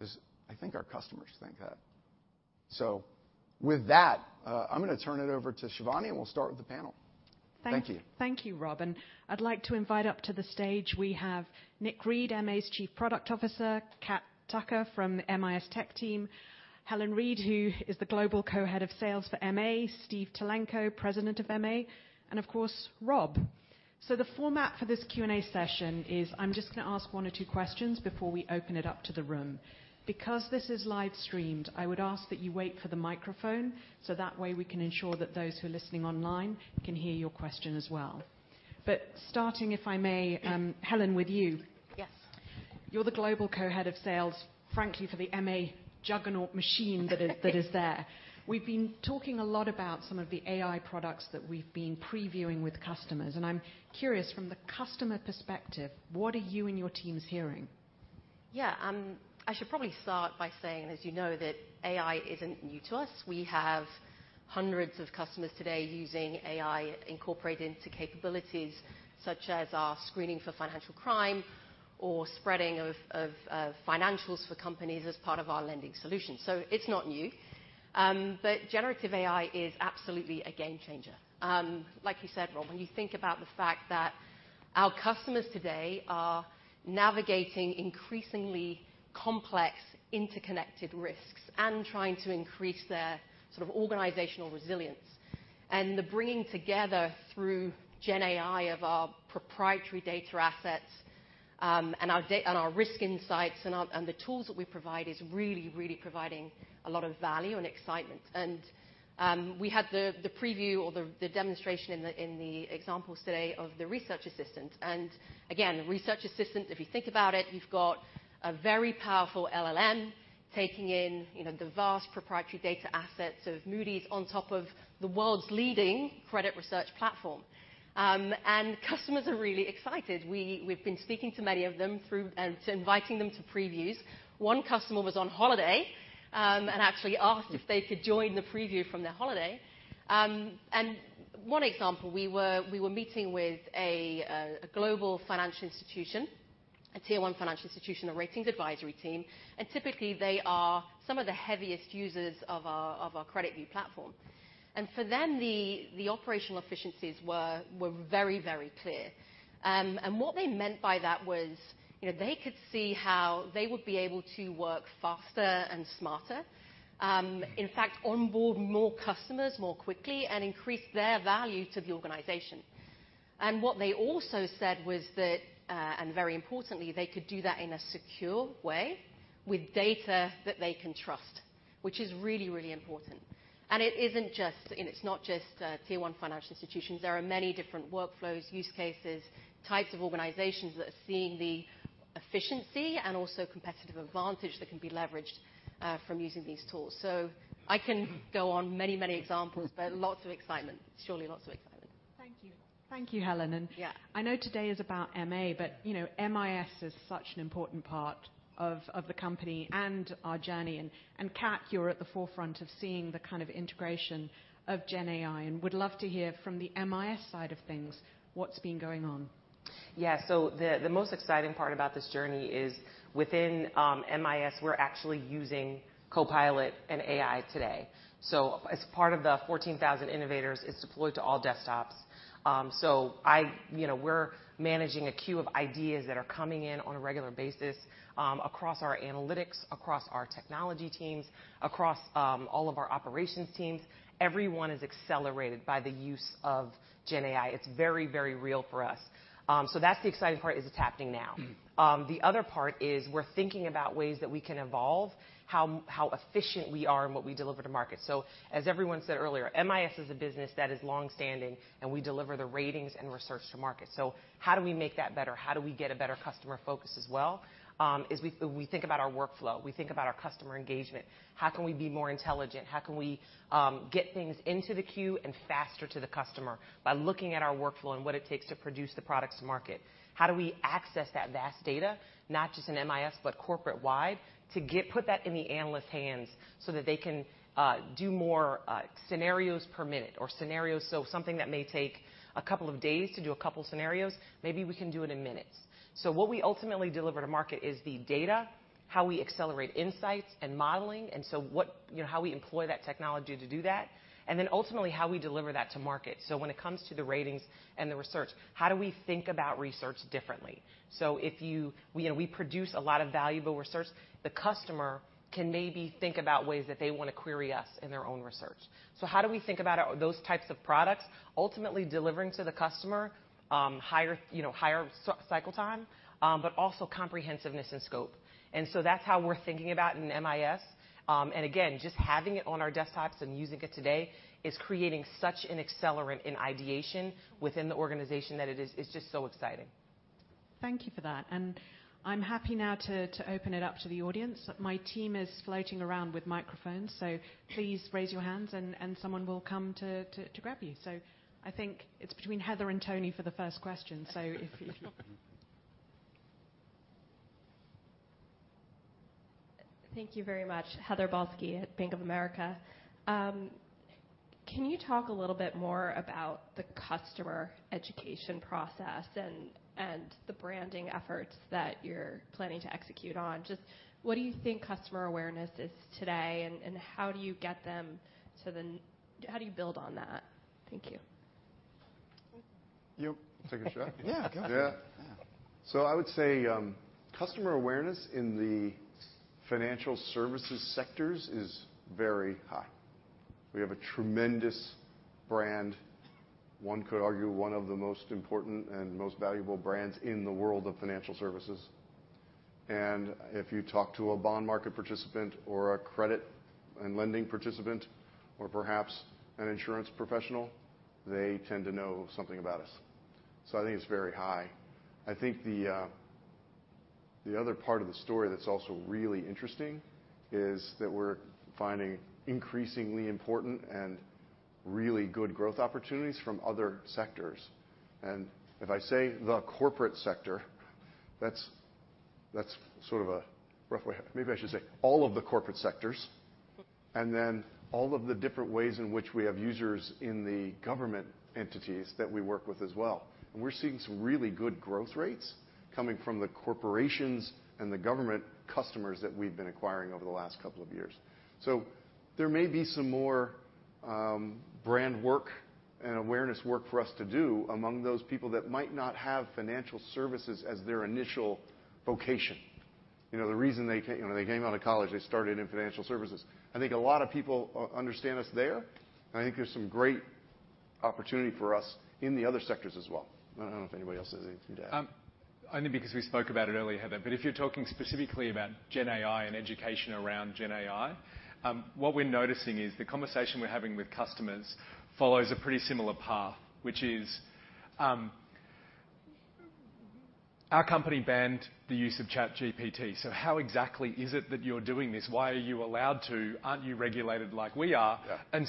is I think our customers think that. So with that, I'm gonna turn it over to Shivani, and we'll start with the panel. Thank you. Thank you, Rob. I'd like to invite up to the stage, we have Nick Reed, MA's Chief Product Officer, Cat Tucker from the MIS Tech team, Helen Rider, who is the Global Co-Head of Sales for MA, Steve Tulenko, President of MA, and of course, Rob. So the format for this Q&A session is, I'm just gonna ask one or two questions before we open it up to the room. Because this is live-streamed, I would ask that you wait for the microphone, so that way, we can ensure that those who are listening online can hear your question as well. But starting, if I may, Helen, with you. Yes. You're the Global Co-Head of Sales, frankly, for the MA juggernaut machine—that is, that is there. We've been talking a lot about some of the AI products that we've been previewing with customers, and I'm curious, from the customer perspective, what are you and your teams hearing? Yeah, I should probably start by saying, as you know, that AI isn't new to us. We have hundreds of customers today using AI incorporated into capabilities such as our screening for financial crime or spreading of financials for companies as part of our lending solution. So it's not new, but generative AI is absolutely a game changer. Like you said, Rob, when you think about the fact that our customers today are navigating increasingly complex, interconnected risks and trying to increase their sort of organizational resilience, and the bringing together through GenAI of our proprietary data assets, and our risk insights, and the tools that we provide, is really, really providing a lot of value and excitement. We had the preview or the demonstration in the examples today of the Research Assistant. And again, Research Assistant, if you think about it, you've got a very powerful LLM taking in, you know, the vast proprietary data assets of Moody's on top of the world's leading credit research platform. And customers are really excited. We've been speaking to many of them through... And inviting them to previews. One customer was on holiday, and actually asked if they could join the preview from their holiday. And one example, we were meeting with a global financial institution, a Tier 1 financial institution, a ratings advisory team, and typically, they are some of the heaviest users of our CreditView platform. And for them, the operational efficiencies were very, very clear. And what they meant by that was, you know, they could see how they would be able to work faster and smarter, in fact, onboard more customers more quickly and increase their value to the organization. And what they also said was that, and very importantly, they could do that in a secure way with data that they can trust, which is really, really important. And it isn't just... And it's not just, Tier 1 financial institutions. There are many different workflows, use cases, types of organizations that are seeing the efficiency and also competitive advantage that can be leveraged, from using these tools. So I can go on many, many examples, but lots of excitement. Surely, lots of excitement. Thank you. Thank you, Helen. Yeah. I know today is about MA, but, you know, MIS is such an important part of the company and our journey. And, Cat, you're at the forefront of seeing the kind of integration of GenAI, and we'd love to hear from the MIS side of things, what's been going on?... Yeah, so the most exciting part about this journey is within MIS, we're actually using Copilot and AI today. So as part of the 14,000 Innovators, it's deployed to all desktops. So I—you know, we're managing a queue of ideas that are coming in on a regular basis across our analytics, across our technology teams, across all of our operations teams. Everyone is accelerated by the use of gen AI. It's very, very real for us. So that's the exciting part, is it's happening now. The other part is we're thinking about ways that we can evolve how efficient we are in what we deliver to market. So as everyone said earlier, MIS is a business that is long-standing, and we deliver the ratings and research to market. So how do we make that better? How do we get a better customer focus as well? As we think about our workflow, we think about our customer engagement, how can we be more intelligent? How can we get things into the queue and faster to the customer by looking at our workflow and what it takes to produce the products to market? How do we access that vast data, not just in MIS, but corporate-wide, to get put that in the analyst's hands so that they can do more scenarios per minute or scenarios? So something that may take a couple of days to do a couple of scenarios, maybe we can do it in minutes. So what we ultimately deliver to market is the data, how we accelerate insights and modeling, and so what... You know, how we employ that technology to do that, and then ultimately, how we deliver that to market. So when it comes to the ratings and the research, how do we think about research differently? So if we produce a lot of valuable research. The customer can maybe think about ways that they want to query us in their own research. So how do we think about our, those types of products ultimately delivering to the customer, higher, you know, higher cycle time, but also comprehensiveness and scope? And so that's how we're thinking about in MIS. And again, just having it on our desktops and using it today is creating such an accelerant in ideation within the organization that it is, it's just so exciting. Thank you for that, and I'm happy now to open it up to the audience. My team is floating around with microphones, so please raise your hands and someone will come to grab you. So I think it's between Heather and Toni for the first question. So if you... Thank you very much. Heather Balsky at Bank of America. Can you talk a little bit more about the customer education process and, and the branding efforts that you're planning to execute on? Just what do you think customer awaRenéss is today, and, and how do you get them to the... How do you build on that? Thank you. You take a shot? Yeah, go ahead. Yeah. Yeah. I would say, customer awareness in the financial services sectors is very high. We have a tremendous brand, one could argue, one of the most important and most valuable brands in the world of financial services. If you talk to a bond market participant or a credit and lending participant or perhaps an Insurance professional, they tend to know something about us, so I think it's very high. I think the other part of the story that's also really interesting is that we're finding increasingly important and really good growth opportunities from other sectors. If I say the corporate sector, that's sort of a rough way. Maybe I should say all of the corporate sectors, and then all of the different ways in which we have users in the government entities that we work with as well. We're seeing some really good growth rates coming from the corporations and the government customers that we've been acquiring over the last couple of years. So there may be some more brand work and awareness work for us to do among those people that might not have financial services as their initial vocation. You know, the reason they you know, they came out of college, they started in financial services. I think a lot of people understand us there, and I think there's some great opportunity for us in the other sectors as well. I don't know if anybody else has anything to add. Only because we spoke about it earlier, Heather, but if you're talking specifically about GenAI and education around GenAI, what we're noticing is the conversation we're having with customers follows a pretty similar path, which is: "Our company banned the use of ChatGPT, so how exactly is it that you're doing this? Why are you allowed to? Aren't you regulated like we are? Yeah. And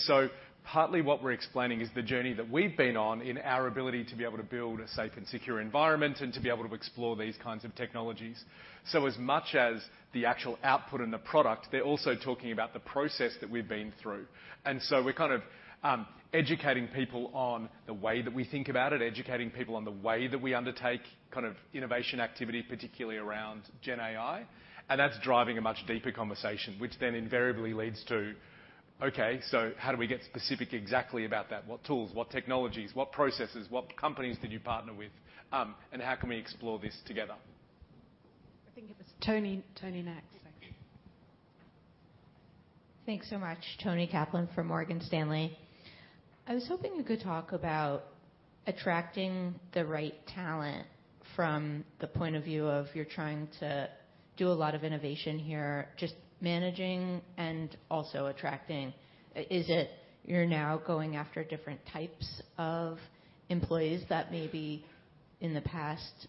so partly what we're explaining is the journey that we've been on in our ability to be able to build a safe and secure environment and to be able to explore these kinds of technologies. So as much as the actual output and the product, they're also talking about the process that we've been through. And so we're kind of educating people on the way that we think about it, educating people on the way that we undertake kind of innovation activity, particularly around gen AI, and that's driving a much deeper conversation, which then invariably leads to: "Okay, so how do we get specific exactly about that? What tools, what technologies, what processes, what companies did you partner with, and how can we explore this together? I think it was Toni. Toni, next, thank you. Thanks so much. Toni Kaplan from Morgan Stanley. I was hoping you could talk about attracting the right talent from the point of view of you're trying to do a lot of innovation here, just managing and also attracting. Is it you're now going after different types of employees that maybe in the past,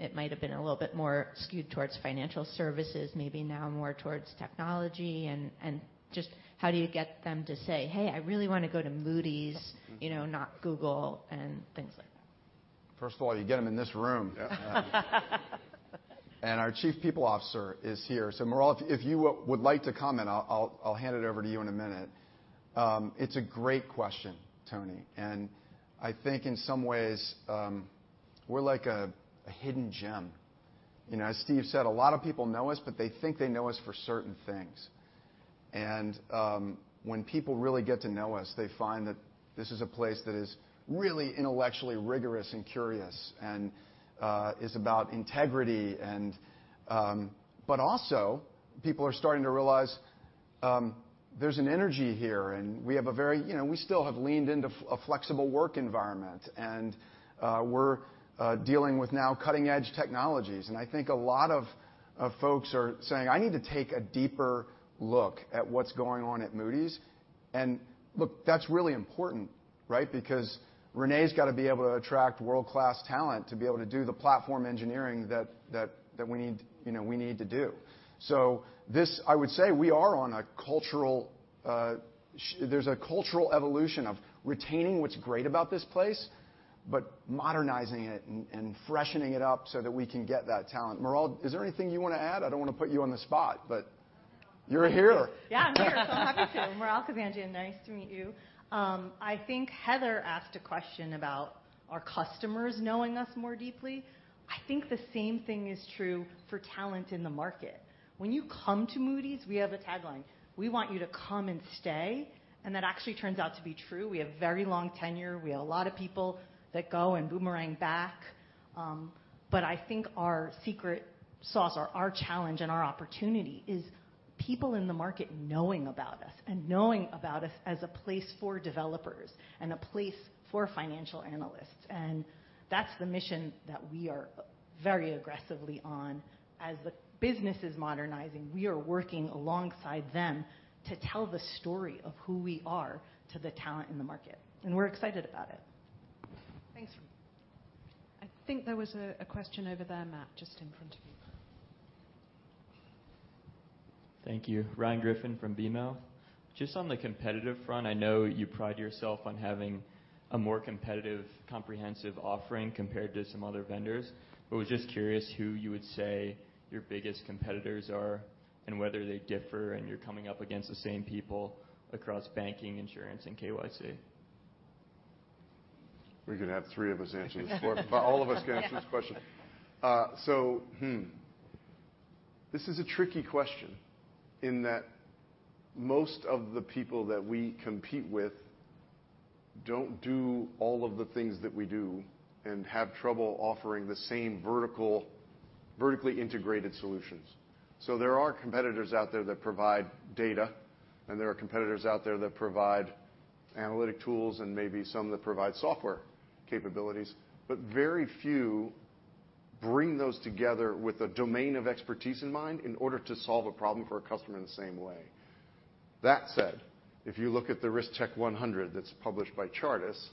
it might have been a little bit more skewed towards financial services, maybe now more towards technology? And, and just how do you get them to say, "Hey, I really want to go to Moody's, you know, not Google," and things like that? First of all, you get them in this room.... Our Chief People Officer is here. So Maral, if you would like to comment, I'll hand it over to you in a minute. It's a great question, Toni, and I think in some ways, we're like a hidden gem. You know, as Steve said, a lot of people know us, but they think they know us for certain things. And when people really get to know us, they find that this is a place that is really intellectually rigorous and curious and is about integrity, and... But also, people are starting to realize, there's an energy here, and we have a very, you know, we still have leaned into a flexible work environment, and we're dealing with now cutting-edge technologies. And I think a lot of folks are saying, "I need to take a deeper look at what's going on at Moody's." Look, that's really important, right? Because René's got to be able to attract world-class talent to be able to do the platform engineering that we need, you know, we need to do. So this - I would say we are on a cultural evolution of retaining what's great about this place, but modernizing it and freshening it up so that we can get that talent. Maral, is there anything you want to add? I don't want to put you on the spot, but you're here. Yeah, I'm here. So happy to. Maral Kazanjian, nice to meet you. I think Heather asked a question about our customers knowing us more deeply. I think the same thing is true for talent in the market. When you come to Moody's, we have a tagline: We want you to come and stay, and that actually turns out to be true. We have very long tenure. We have a lot of people that go and boomerang back. But I think our secret sauce or our challenge and our opportunity is people in the market knowing about us and knowing about us as a place for developers and a place for financial analysts. And that's the mission that we are very aggressively on. As the business is modernizing, we are working alongside them to tell the story of who we are to the talent in the market, and we're excited about it. Thanks. I think there was a question over there, Matt, just in front of you. Thank you. Ryan Griffin from BMO. Just on the competitive front, I know you pride yourself on having a more competitive, comprehensive offering compared to some other vendors. I was just curious who you would say your biggest competitors are and whether they differ, and you're coming up against the same people across banking, Insurance, and KYC. We could have three of us answer this question. All of us can answer this question. So, this is a tricky question in that most of the people that we compete with don't do all of the things that we do and have trouble offering the same vertically integrated solutions. So there are competitors out there that provide data, and there are competitors out there that provide analytic tools and maybe some that provide software capabilities, but very few bring those together with a domain of expertise in mind in order to solve a problem for a customer in the same way. That said, if you look at the RiskTech 100, that's published by Chartis,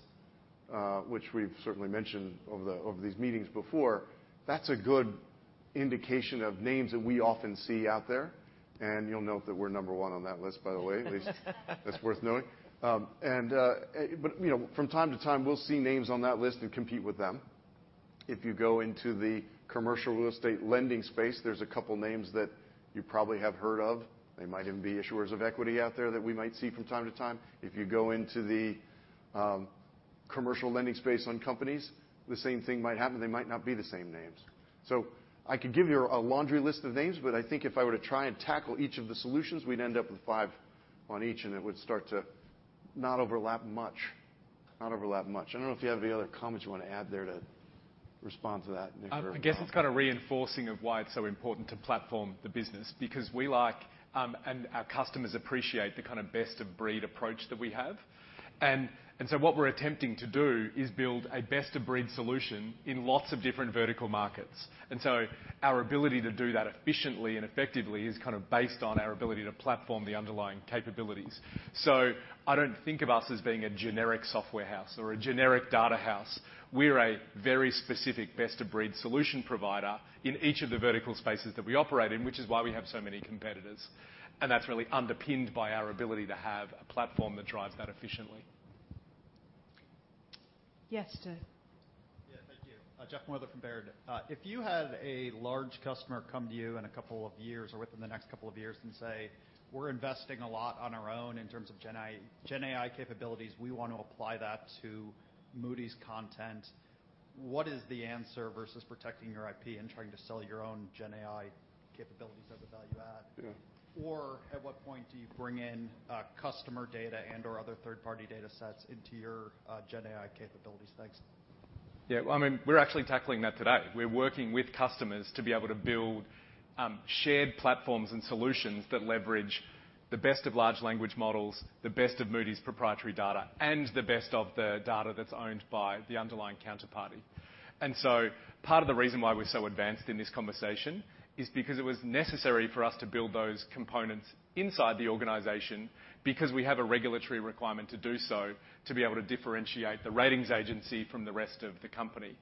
which we've certainly mentioned over these meetings before, that's a good indication of names that we often see out there, and you'll note that we're number one on that list, by the way. At least that's worth knowing. But, you know, from time to time, we'll see names on that list and compete with them. If you go into the commercial real estate lending space, there's a couple names that you probably have heard of. They might even be issuers of equity out there that we might see from time to time. If you go into the commercial lending space on companies, the same thing might happen. They might not be the same names. So I could give you a laundry list of names, but I think if I were to try and tackle each of the solutions, we'd end up with five on each, and it would start to not overlap much. Not overlap much. I don't know if you have any other comments you want to add there to respond to that, Nick? I guess it's kind of reinforcing of why it's so important to platform the business, because we like, and our customers appreciate the kind of best-of-breed approach that we have. And, and so what we're attempting to do is build a best-of-breed solution in lots of different vertical markets. And so our ability to do that efficiently and effectively is kind of based on our ability to platform the underlying capabilities. So I don't think of us as being a generic software house or a generic data house. We're a very specific best-of-breed solution provider in each of the vertical spaces that we operate in, which is why we have so many competitors, and that's really underpinned by our ability to have a platform that drives that efficiently. Yes, sir. Yeah, thank you. Jeff Meuler from Baird. If you had a large customer come to you in a couple of years or within the next couple of years and say, "We're investing a lot on our own in terms of GenAI, GenAI capabilities, we want to apply that to Moody's content," what is the answer versus protecting your IP and trying to sell your own GenAI capabilities as a value add? Yeah. Or at what point do you bring in customer data and/or other third-party data sets into your GenAI capabilities? Thanks. Yeah, well, I mean, we're actually tackling that today. We're working with customers to be able to build shared platforms and solutions that leverage the best of large language models, the best of Moody's proprietary data, and the best of the data that's owned by the underlying counterparty. And so part of the reason why we're so advanced in this conversation is because it was necessary for us to build those components inside the organization, because we have a regulatory requirement to do so, to be able to differentiate the ratings agency from the rest of the company.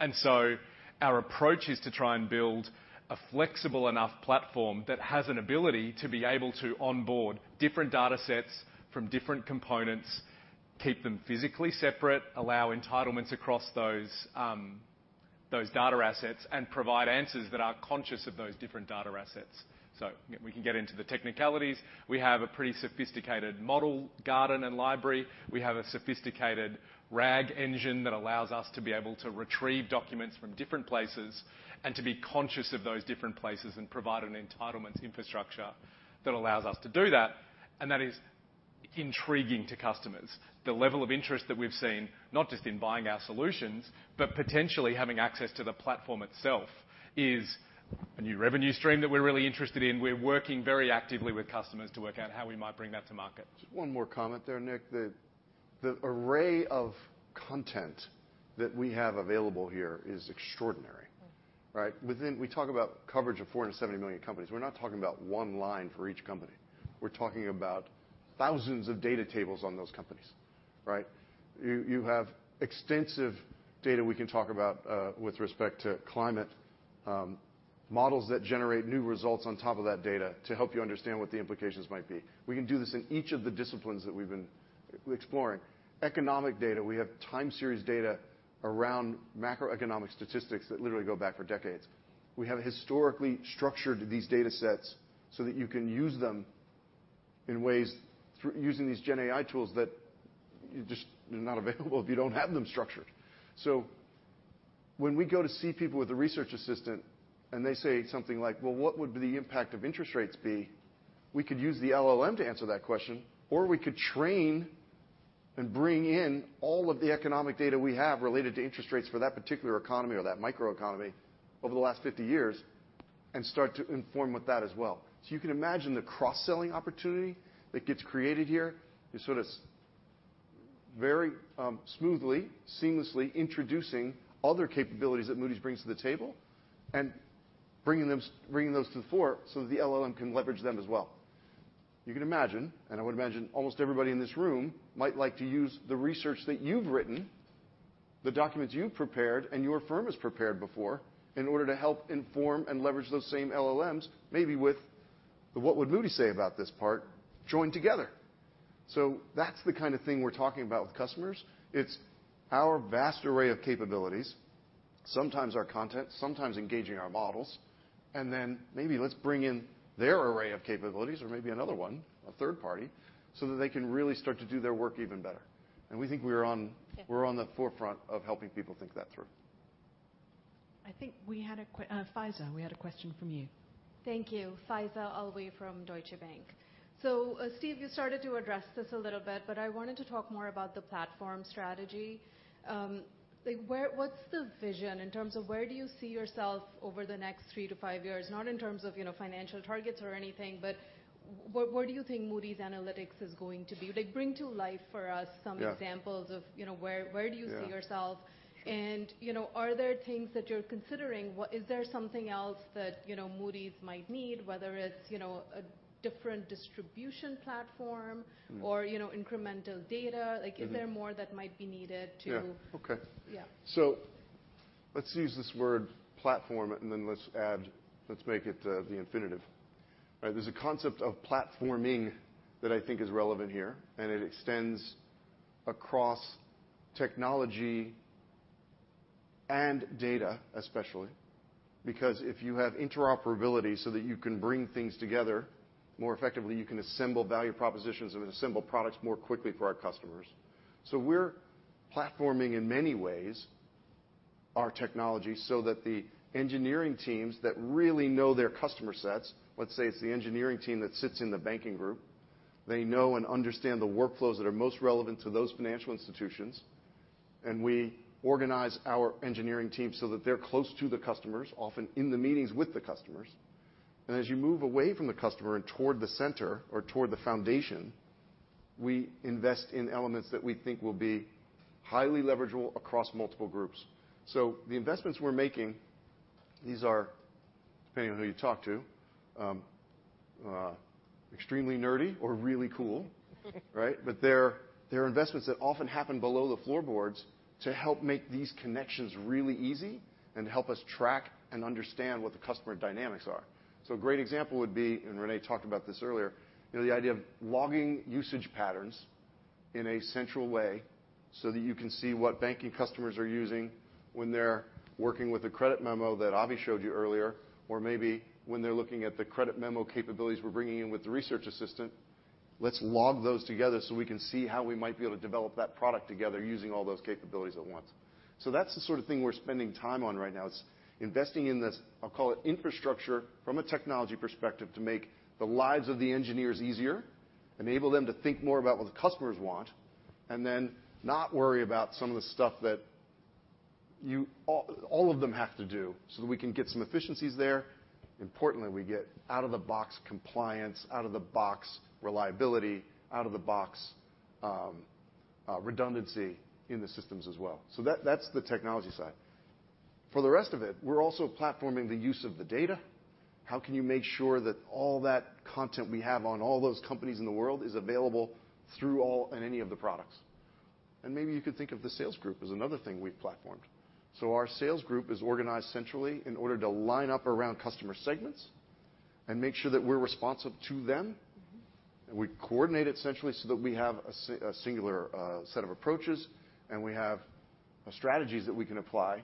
And so our approach is to try and build a flexible enough platform that has an ability to be able to onboard different data sets from different components, keep them physically separate, allow entitlements across those data assets, and provide answers that are conscious of those different data assets. So we can get into the technicalities. We have a pretty sophisticated model, garden, and library. We have a sophisticated RAG engine that allows us to be able to retrieve documents from different places and to be conscious of those different places and provide an entitlements infrastructure that allows us to do that. And that is intriguing to customers. The level of interest that we've seen, not just in buying our solutions, but potentially having access to the platform itself, is a new revenue stream that we're really interested in. We're working very actively with customers to work out how we might bring that to market. Just one more comment there, Nick. The array of content that we have available here is extraordinary, right? Within, we talk about coverage of 470 million companies. We're not talking about one line for each company. We're talking about thousands of data tables on those companies, right? You have extensive data we can talk about with respect to climate models that generate new results on top of that data to help you understand what the implications might be. We can do this in each of the disciplines that we've been exploring. Economic data, we have time series data around macroeconomic statistics that literally go back for decades. We have historically structured these data sets so that you can use them in ways through using these GenAI tools that just are not available if you don't have them structured. So when we go to see people with a Research Assistant, and they say something like, "Well, what would the impact of interest rates be?" We could use the LLM to answer that question, or we could train and bring in all of the economic data we have related to interest rates for that particular economy or that microeconomy over the last 50 years, and start to inform with that as well. So you can imagine the cross-selling opportunity that gets created here. You sort of very, smoothly, seamlessly introducing other capabilities that Moody's brings to the table and bringing them, bringing those to the fore so that the LLM can leverage them as well. You can imagine, and I would imagine almost everybody in this room might like to use the research that you've written, the documents you've prepared, and your firm has prepared before, in order to help inform and leverage those same LLMs, maybe with the, "What would Moody's say about this part?" Join together. So that's the kind of thing we're talking about with customers. It's our vast array of capabilities, sometimes our content, sometimes engaging our models, and then maybe let's bring in their array of capabilities or maybe another one, a third party, so that they can really start to do their work even better. And we think we're on, we're on the forefront of helping people think that through. I think we had a question from you, Faiza. Thank you. Faiza Alwy from Deutsche Bank. So, Steve, you started to address this a little bit, but I wanted to talk more about the platform strategy. Like, where—what's the vision in terms of where do you see yourself over the next three to five years? Not in terms of, you know, financial targets or anything, but what, what do you think Moody's Analytics is going to be? Like, bring to life for us some- Yeah... Examples of, you know, where do you see- Yeah -Yourself? And, you know, are there things that you're considering, what-- is there something else that, you know, Moody's might need, whether it's, you know, a different distribution platform- Mm. Or, you know, incremental data? Mm-hmm. Like, is there more that might be needed to- Yeah. Okay. Yeah. So let's use this word platform, and then let's add, let's make it the infinitive, right? There's a concept of platforming that I think is relevant here, and it extends across technology and data, especially. Because if you have interoperability so that you can bring things together more effectively, you can assemble value propositions and assemble products more quickly for our customers. So we're platforming, in many ways, our technology, so that the engineering teams that really know their customer sets. Let's say it's the engineering team that sits in the Banking group. They know and understand the workflows that are most relevant to those financial institutions, and we organize our engineering team so that they're close to the customers, often in the meetings with the customers. As you move away from the customer and toward the center or toward the foundation, we invest in elements that we think will be highly leverageable across multiple groups. So the investments we're making, these are, depending on who you talk to, extremely nerdy or really cool, right? But they're, they're investments that often happen below the floorboards to help make these connections really easy and help us track and understand what the customer dynamics are. So a great example would be, and René talked about this earlier, you know, the idea of logging usage patterns in a central way so that you can see what banking customers are using when they're working with a credit memo that Avi showed you earlier, or maybe when they're looking at the credit memo capabilities we're bringing in with the Research Assistant. Let's log those together so we can see how we might be able to develop that product together using all those capabilities at once. So that's the sort of thing we're spending time on right now, is investing in this, I'll call it, infrastructure from a technology perspective, to make the lives of the engineers easier, enable them to think more about what the customers want, and then not worry about some of the stuff that you-- all, all of them have to do, so that we can get some efficiencies there. Importantly, we get out-of-the-box compliance, out-of-the-box reliability, out-of-the-box redundancy in the systems as well. So that, that's the technology side. For the rest of it, we're also platforming the use of the data. How can you make sure that all that content we have on all those companies in the world is available through all and any of the products? Maybe you could think of the sales group as another thing we've platformed. Our sales group is organized centrally in order to line up around customer segments.... And make sure that we're responsive to them, and we coordinate it centrally so that we have a singular set of approaches, and we have strategies that we can apply.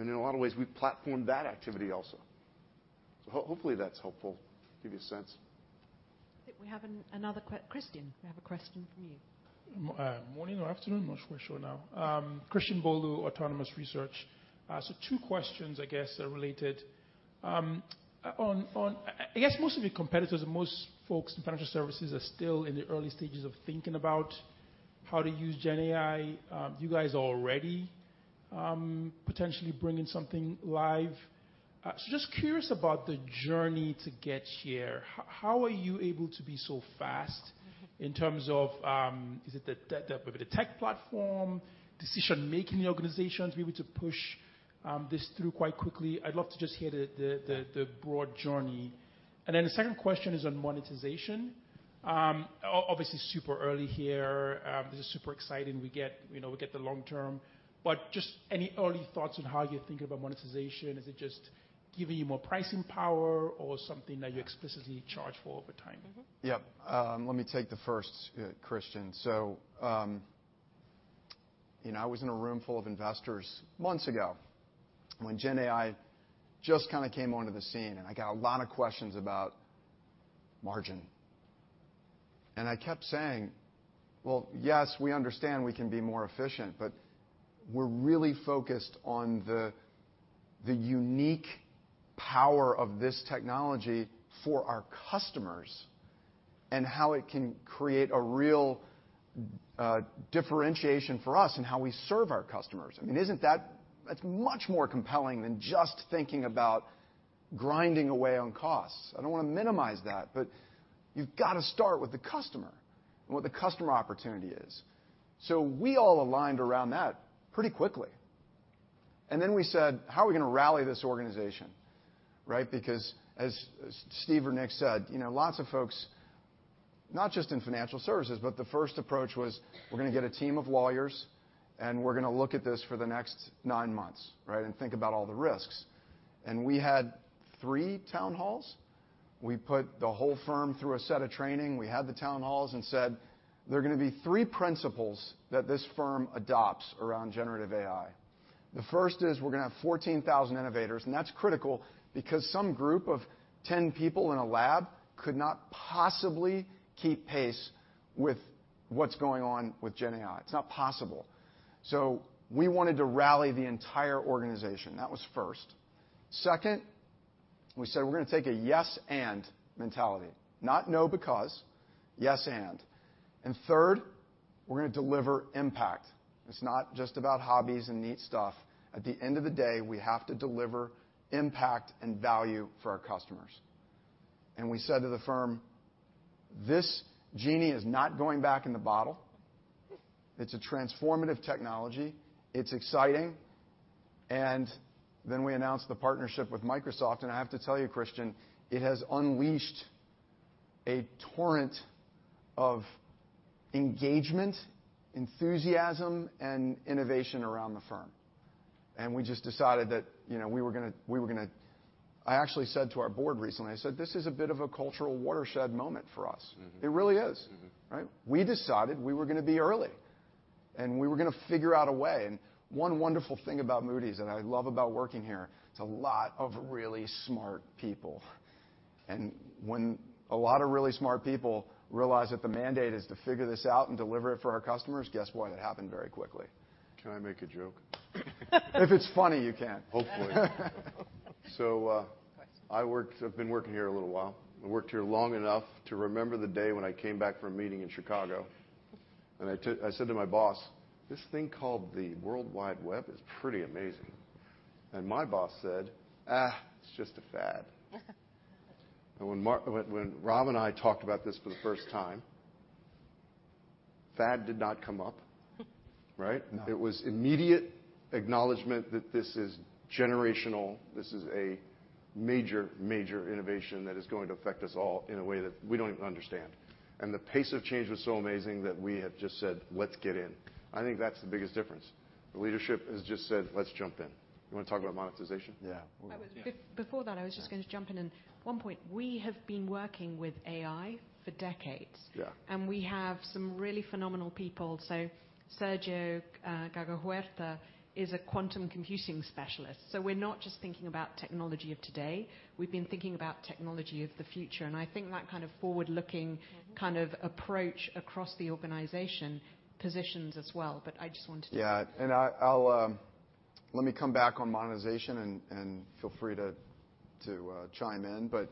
In a lot of ways, we've platformed that activity also. Hopefully, that's helpful, give you a sense. I think we have another question, Christian. We have a question from you. Morning or afternoon, not sure now. Christian Bolu, Autonomous Research. So two questions, I guess, are related. I guess most of your competitors and most folks in financial services are still in the early stages of thinking about how to use GenAI. You guys are already potentially bringing something live. So just curious about the journey to get here. How are you able to be so fast in terms of, is it the tech platform, decision-making in the organizations to be able to push this through quite quickly? I'd love to just hear the broad journey. And then the second question is on monetization. Obviously, super early here. This is super exciting. We get, you know, we get the long term, but just any early thoughts on how you're thinking about monetization? Is it just giving you more pricing power or something that you explicitly charge for over time? Mm-hmm. Yep. Let me take the first, Christian. So, you know, I was in a room full of investors months ago when GenAI just kind of came onto the scene, and I got a lot of questions about margin. And I kept saying: Well, yes, we understand we can be more efficient, but we're really focused on the unique power of this technology for our customers and how it can create a real differentiation for us in how we serve our customers. I mean, isn't that... That's much more compelling than just thinking about grinding away on costs. I don't want to minimize that, but you've got to start with the customer and what the customer opportunity is. So we all aligned around that pretty quickly. And then we said: How are we going to rally this organization, right? Because as Steve or Nick said, you know, lots of folks, not just in financial services, but the first approach was we're going to get a team of lawyers, and we're going to look at this for the next nine months, right, and think about all the risks. We had three town halls. We put the whole firm through a set of training. We had the town halls and said, "There are going to be three principles that this firm adopts around generative AI. The first is we're going to have 14,000 Innovators," and that's critical because some group of 10 people in a lab could not possibly keep pace with what's going on with GenAI. It's not possible. So we wanted to rally the entire organization. That was first. Second, we said, "We're going to take a yes, and mentality. Not no, because, yes, and." And third, we're going to deliver impact. It's not just about hobbies and neat stuff. At the end of the day, we have to deliver impact and value for our customers. And we said to the firm, "This genie is not going back in the bottle. It's a transformative technology. It's exciting." And then we announced the partnership with Microsoft, and I have to tell you, Christian, it has unleashed a torrent of engagement, enthusiasm, and innovation around the firm. And we just decided that, you know, we were gonna, we were gonna. I actually said to our board recently, I said, "This is a bit of a cultural watershed moment for us. Mm-hmm. It really is. Mm-hmm. Right? We decided we were going to be early, and we were going to figure out a way. And one wonderful thing about Moody's, and I love about working here, it's a lot of really smart people. And when a lot of really smart people realize that the mandate is to figure this out and deliver it for our customers, guess what? It happened very quickly. Can I make a joke? If it's funny, you can. Hopefully. I've been working here a little while. I worked here long enough to remember the day when I came back from a meeting in Chicago, and I said to my boss, "This thing called the World Wide Web is pretty amazing." And my boss said, "Ah, it's just a fad." And when Rob and I talked about this for the first time, fad did not come up, right? No. It was immediate acknowledgment that this is generational. This is a major, major innovation that is going to affect us all in a way that we don't even understand. The pace of change was so amazing that we have just said, "Let's get in." I think that's the biggest difference. The leadership has just said: Let's jump in. You want to talk about monetization? Yeah. Before that, I was just going to jump in on one point. We have been working with AI for decades. Yeah. We have some really phenomenal people. So Sergio Gago Huerta is a quantum computing specialist, so we're not just thinking about technology of today, we've been thinking about technology of the future, and I think that kind of forward-looking- Mm-hmm kind of approach across the organization positions as well. But I just wanted to- Yeah, and I, I'll, Let me come back on monetization, and, and feel free to, to, chime in, but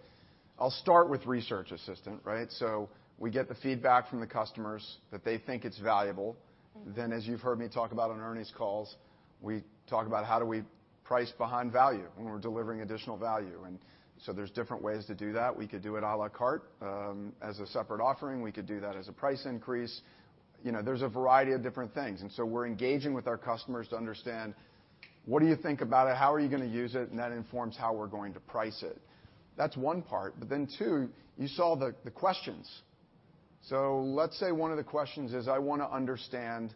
I'll start with Research Assistant, right? So we get the feedback from the customers that they think it's valuable. Mm-hmm. Then, as you've heard me talk about on earnings calls, we talk about how do we price behind value when we're delivering additional value? And so there's different ways to do that. We could do it à la carte, as a separate offering. We could do that as a price increase. You know, there's a variety of different things, and so we're engaging with our customers to understand, what do you think about it? How are you going to use it? And that informs how we're going to price it. That's one part, but then, two, you saw the questions. So let's say one of the questions is, I want to understand,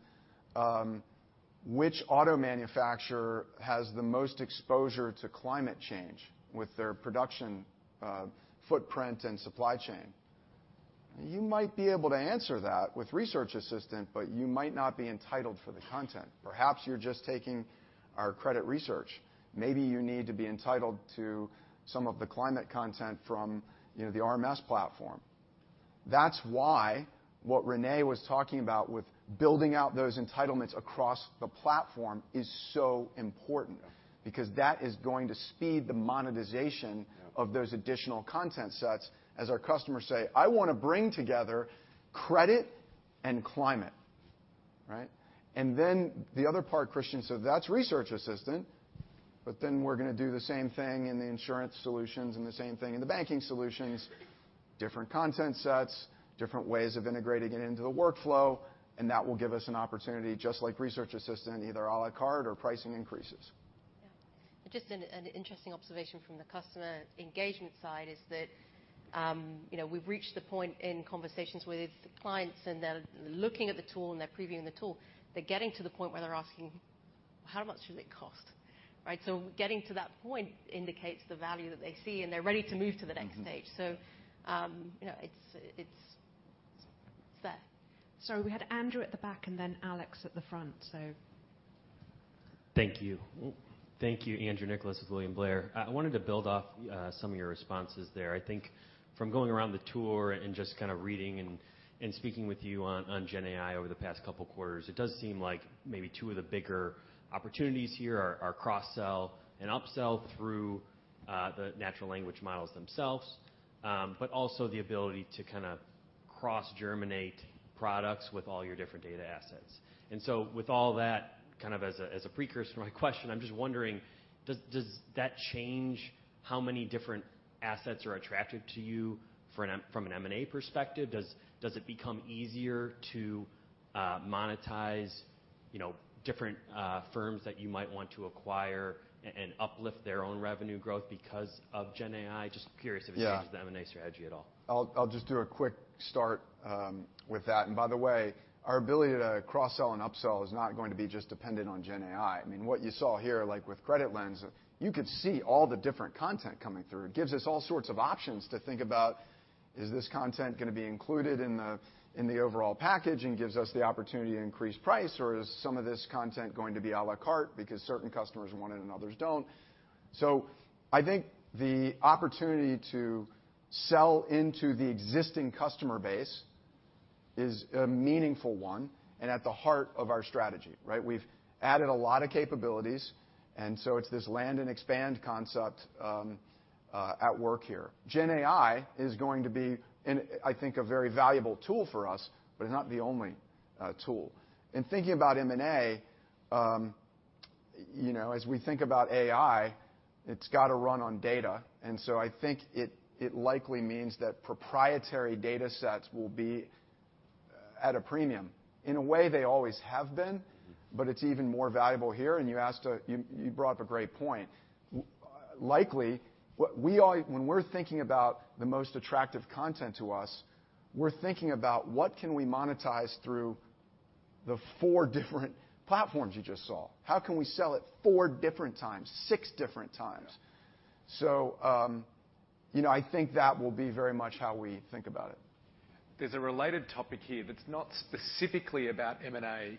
which auto manufacturer has the most exposure to climate change with their production footprint and supply chain? You might be able to answer that with Research Assistant, but you might not be entitled for the content. Perhaps you're just taking our credit research. Maybe you need to be entitled to some of the climate content from, you know, the RMS platform. That's why what René was talking about with building out those entitlements across the platform is so important, because that is going to speed the monetization- Yeah. of those additional content sets, as our customers say, "I wanna bring together credit and climate." Right? And then the other part, Christian said, "That's Research Assistant," but then we're gonna do the same thing in the Insurance Solutions and the same thing in the banking solutions. Different content sets, different ways of integrating it into the workflow, and that will give us an opportunity, just like Research Assistant, either a la carte or pricing increases. Yeah. Just an interesting observation from the customer engagement side is that, you know, we've reached the point in conversations with clients, and they're looking at the tool, and they're previewing the tool. They're getting to the point where they're asking: "How much does it cost?" Right? So getting to that point indicates the value that they see, and they're ready to move to the next stage. Mm-hmm. You know, it's there. Sorry, we had Andrew at the back and then Alex at the front, so. Thank you. Thank you. Andrew Nicholas with William Blair. I wanted to build off some of your responses there. I think from going around the tour and just kind of reading and speaking with you on GenAI over the past couple quarters, it does seem like maybe two of the bigger opportunities here are cross-sell and up-sell through the natural language models themselves, but also the ability to kinda cross-germinate products with all your different data assets. And so with all that, kind of as a precursor to my question, I'm just wondering, does that change how many different assets are attractive to you for an M&A perspective? Does it become easier to monetize, you know, different firms that you might want to acquire and uplift their own revenue growth because of GenAI? Just curious- Yeah. if it changes the M&A strategy at all. I'll just do a quick start with that. And by the way, our ability to cross-sell and up-sell is not going to be just dependent on GenAI. I mean, what you saw here, like with CreditLens, you could see all the different content coming through. It gives us all sorts of options to think about, "Is this content gonna be included in the overall package?" And gives us the opportunity to increase price, or, "Is some of this content going to be a la carte because certain customers want it and others don't?" So I think the opportunity to sell into the existing customer base is a meaningful one and at the heart of our strategy, right? We've added a lot of capabilities, and so it's this land and expand concept at work here. GenAI is going to be, I think, a very valuable tool for us, but it's not the only tool. In thinking about M&A, you know, as we think about AI, it's got to run on data, and so I think it likely means that proprietary data sets will be at a premium. In a way, they always have been, but it's even more valuable here, and you asked a—you brought up a great point. Likely, what we are—when we're thinking about the most attractive content to us, we're thinking about what can we monetize through the four different platforms you just saw? How can we sell it four different times, six different times? Yeah. So, you know, I think that will be very much how we think about it. There's a related topic here that's not specifically about M&A,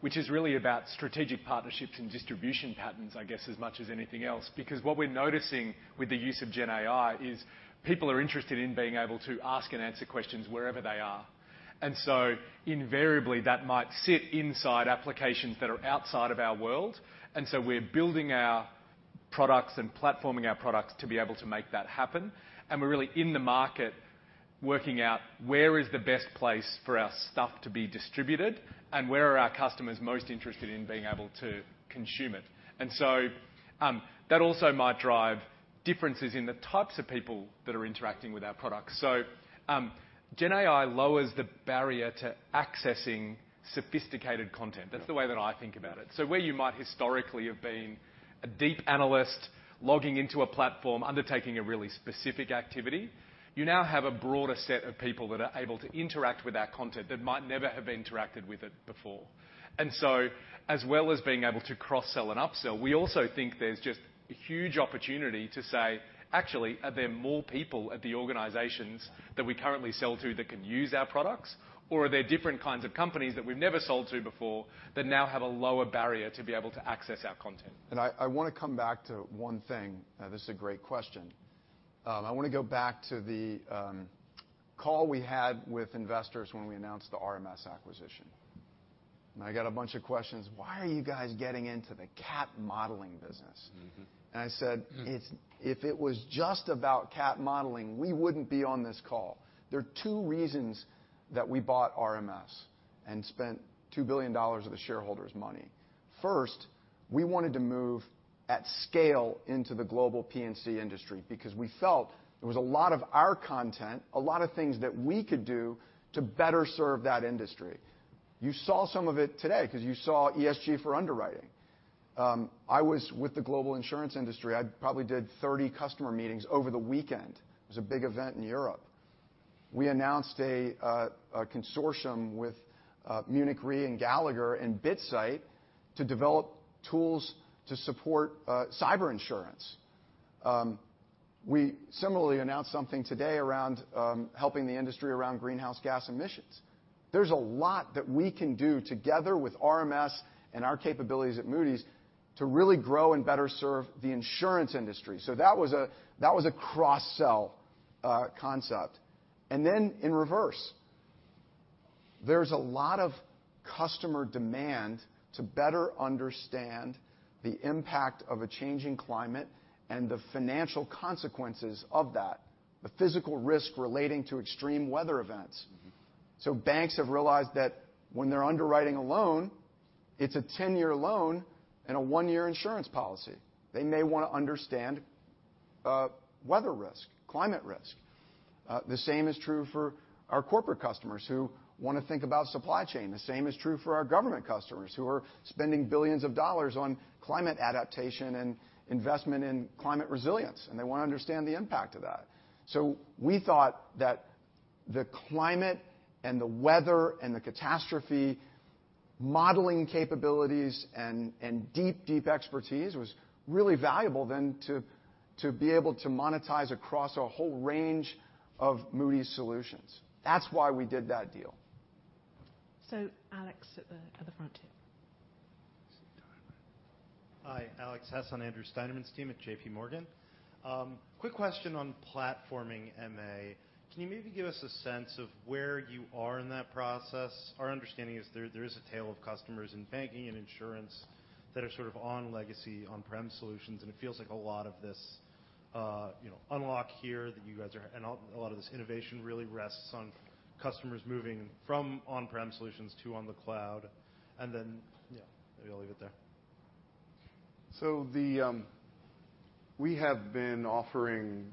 which is really about strategic partnerships and distribution patterns, I guess, as much as anything else, because what we're noticing with the use of GenAI is people are interested in being able to ask and answer questions wherever they are. And so invariably, that might sit inside applications that are outside of our world, and so we're building our products and platforming our products to be able to make that happen. And we're really in the market, working out where is the best place for our stuff to be distributed, and where are our customers most interested in being able to consume it. And so, that also might drive differences in the types of people that are interacting with our products. So, GenAI lowers the barrier to accessing sophisticated content. Yeah. That's the way that I think about it. So where you might historically have been a deep analyst, logging into a platform, undertaking a really specific activity, you now have a broader set of people that are able to interact with our content that might never have interacted with it before. And so, as well as being able to cross-sell and up-sell, we also think there's just a huge opportunity to say: Actually, are there more people at the organizations that we currently sell to that can use our products, or are there different kinds of companies that we've never sold to before that now have a lower barrier to be able to access our content? I wanna come back to one thing. This is a great question. I wanna go back to the call we had with investors when we announced the RMS acquisition. I got a bunch of questions: "Why are you guys getting into the cat modeling business? Mm-hmm. And I said- Mm If it was just about cat modeling, we wouldn't be on this call." There are two reasons that we bought RMS and spent $2 billion of the shareholders' money. First, we wanted to move at scale into the global P&C industry because we felt there was a lot of our content, a lot of things that we could do to better serve that industry. You saw some of it today 'cause you saw ESG for underwriting. I was with the global Insurance industry. I probably did 30 customer meetings over the weekend. It was a big event in Europe. We announced a consortium with Munich Re, and Gallagher, and BitSight to develop tools to support cyber Insurance. We similarly announced something today around helping the industry around greenhouse gas emissions. There's a lot that we can do together with RMS and our capabilities at Moody's to really grow and better serve the Insurance industry. So that was a cross-sell concept. And then in reverse, there's a lot of customer demand to better understand the impact of a changing climate and the financial consequences of that, the physical risk relating to extreme weather events. Mm-hmm. So banks have realized that when they're underwriting a loan, it's a 10-year loan and a one-year Insurance policy. They may wanna understand weather risk, climate risk. The same is true for our corporate customers who wanna think about supply chain. The same is true for our government customers, who are spending billions of dollars on climate adaptation and investment in climate resilience, and they wanna understand the impact of that. So we thought that the climate and the weather and the catastrophe modeling capabilities and deep, deep expertise was really valuable then to be able to monetize across a whole range of Moody's solutions. That's why we did that deal. So, Alex, at the front here. It's time. Hi, Alex Hess, on Andrew Steinerman's team at JPMorgan. Quick question on platforming MA. Can you maybe give us a sense of where you are in that process? Our understanding is there, there is a tail of customers in banking and Insurance that are sort of on legacy, on-prem solutions, and it feels like a lot of this, you know, unlock here, that you guys are... And a, a lot of this innovation really rests on customers moving from on-prem solutions to on the cloud. And then, yeah, maybe I'll leave it there. We have been offering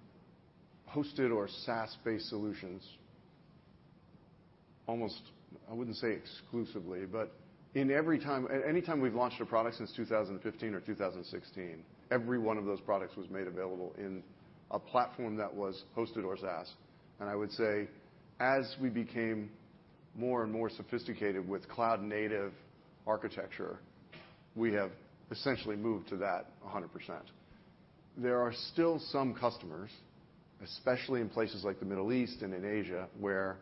hosted or SaaS-based solutions almost. I wouldn't say exclusively, but anytime we've launched a product since 2015 or 2016, every one of those products was made available in a platform that was hosted or SaaS. And I would say, as we became more and more sophisticated with cloud-native architecture, we have essentially moved to that 100%. There are still some customers, especially in places like the Middle East and in Asia, where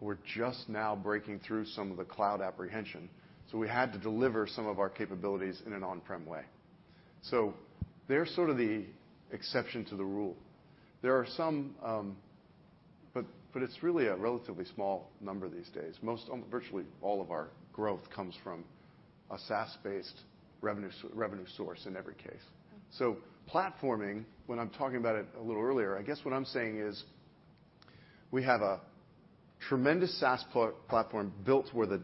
we're just now breaking through some of the cloud apprehension, so we had to deliver some of our capabilities in an on-prem way. So they're sort of the exception to the rule. But it's really a relatively small number these days. Most virtually all of our growth comes from a SaaS-based revenue source in every case. Mm-hmm. So platforming, when I'm talking about it a little earlier, I guess what I'm saying is, we have a tremendous SaaS platform built where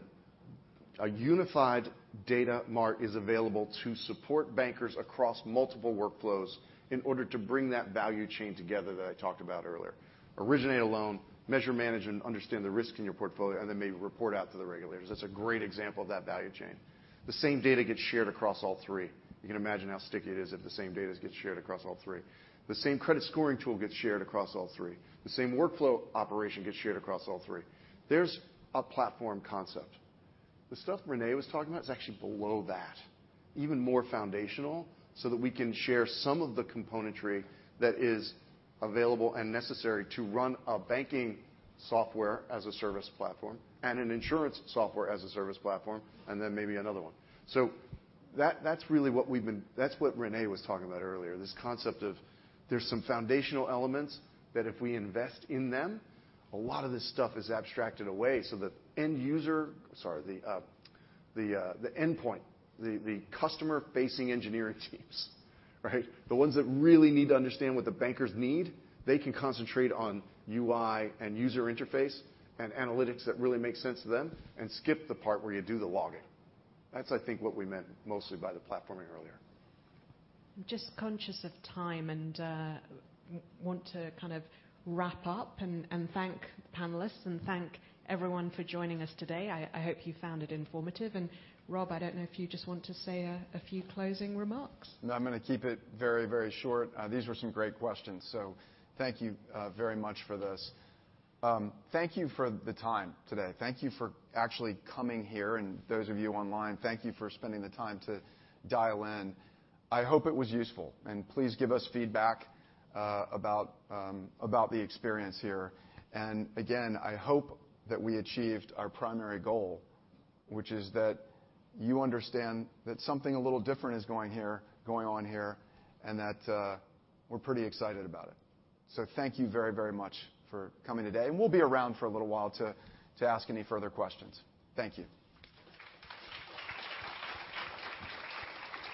a unified data mart is available to support bankers across multiple workflows in order to bring that value chain together that I talked about earlier. Originate a loan, measure, manage, and understand the risk in your portfolio, and then maybe report out to the regulators. That's a great example of that value chain. The same data gets shared across all three. You can imagine how sticky it is if the same data gets shared across all three. The same credit scoring tool gets shared across all three. The same workflow operation gets shared across all three. There's a platform concept. The stuff René was talking about is actually below that, even more foundational, so that we can share some of the componentry that is available and necessary to run a banking software as a service platform, and an Insurance software as a service platform, and then maybe another one. So that, that's really what we've been, that's what René was talking about earlier, this concept of there's some foundational elements that if we invest in them, a lot of this stuff is abstracted away, so the end user... Sorry, the endpoint, the customer-facing engineering teams, right? The ones that really need to understand what the bankers need, they can concentrate on UI and user interface and analytics that really make sense to them and skip the part where you do the logging. That's, I think, what we meant mostly by the platforming earlier. Just conscious of time and want to kind of wrap up and thank the panelists and thank everyone for joining us today. I hope you found it informative. And, Rob, I don't know if you just want to say a few closing remarks. No, I'm gonna keep it very, very short. These were some great questions, so thank you very much for this. Thank you for the time today. Thank you for actually coming here, and those of you online, thank you for spending the time to dial in. I hope it was useful, and please give us feedback about the experience here. And again, I hope that we achieved our primary goal, which is that you understand that something a little different is going on here, and that we're pretty excited about it. So thank you very, very much for coming today, and we'll be around for a little while to ask any further questions. Thank you.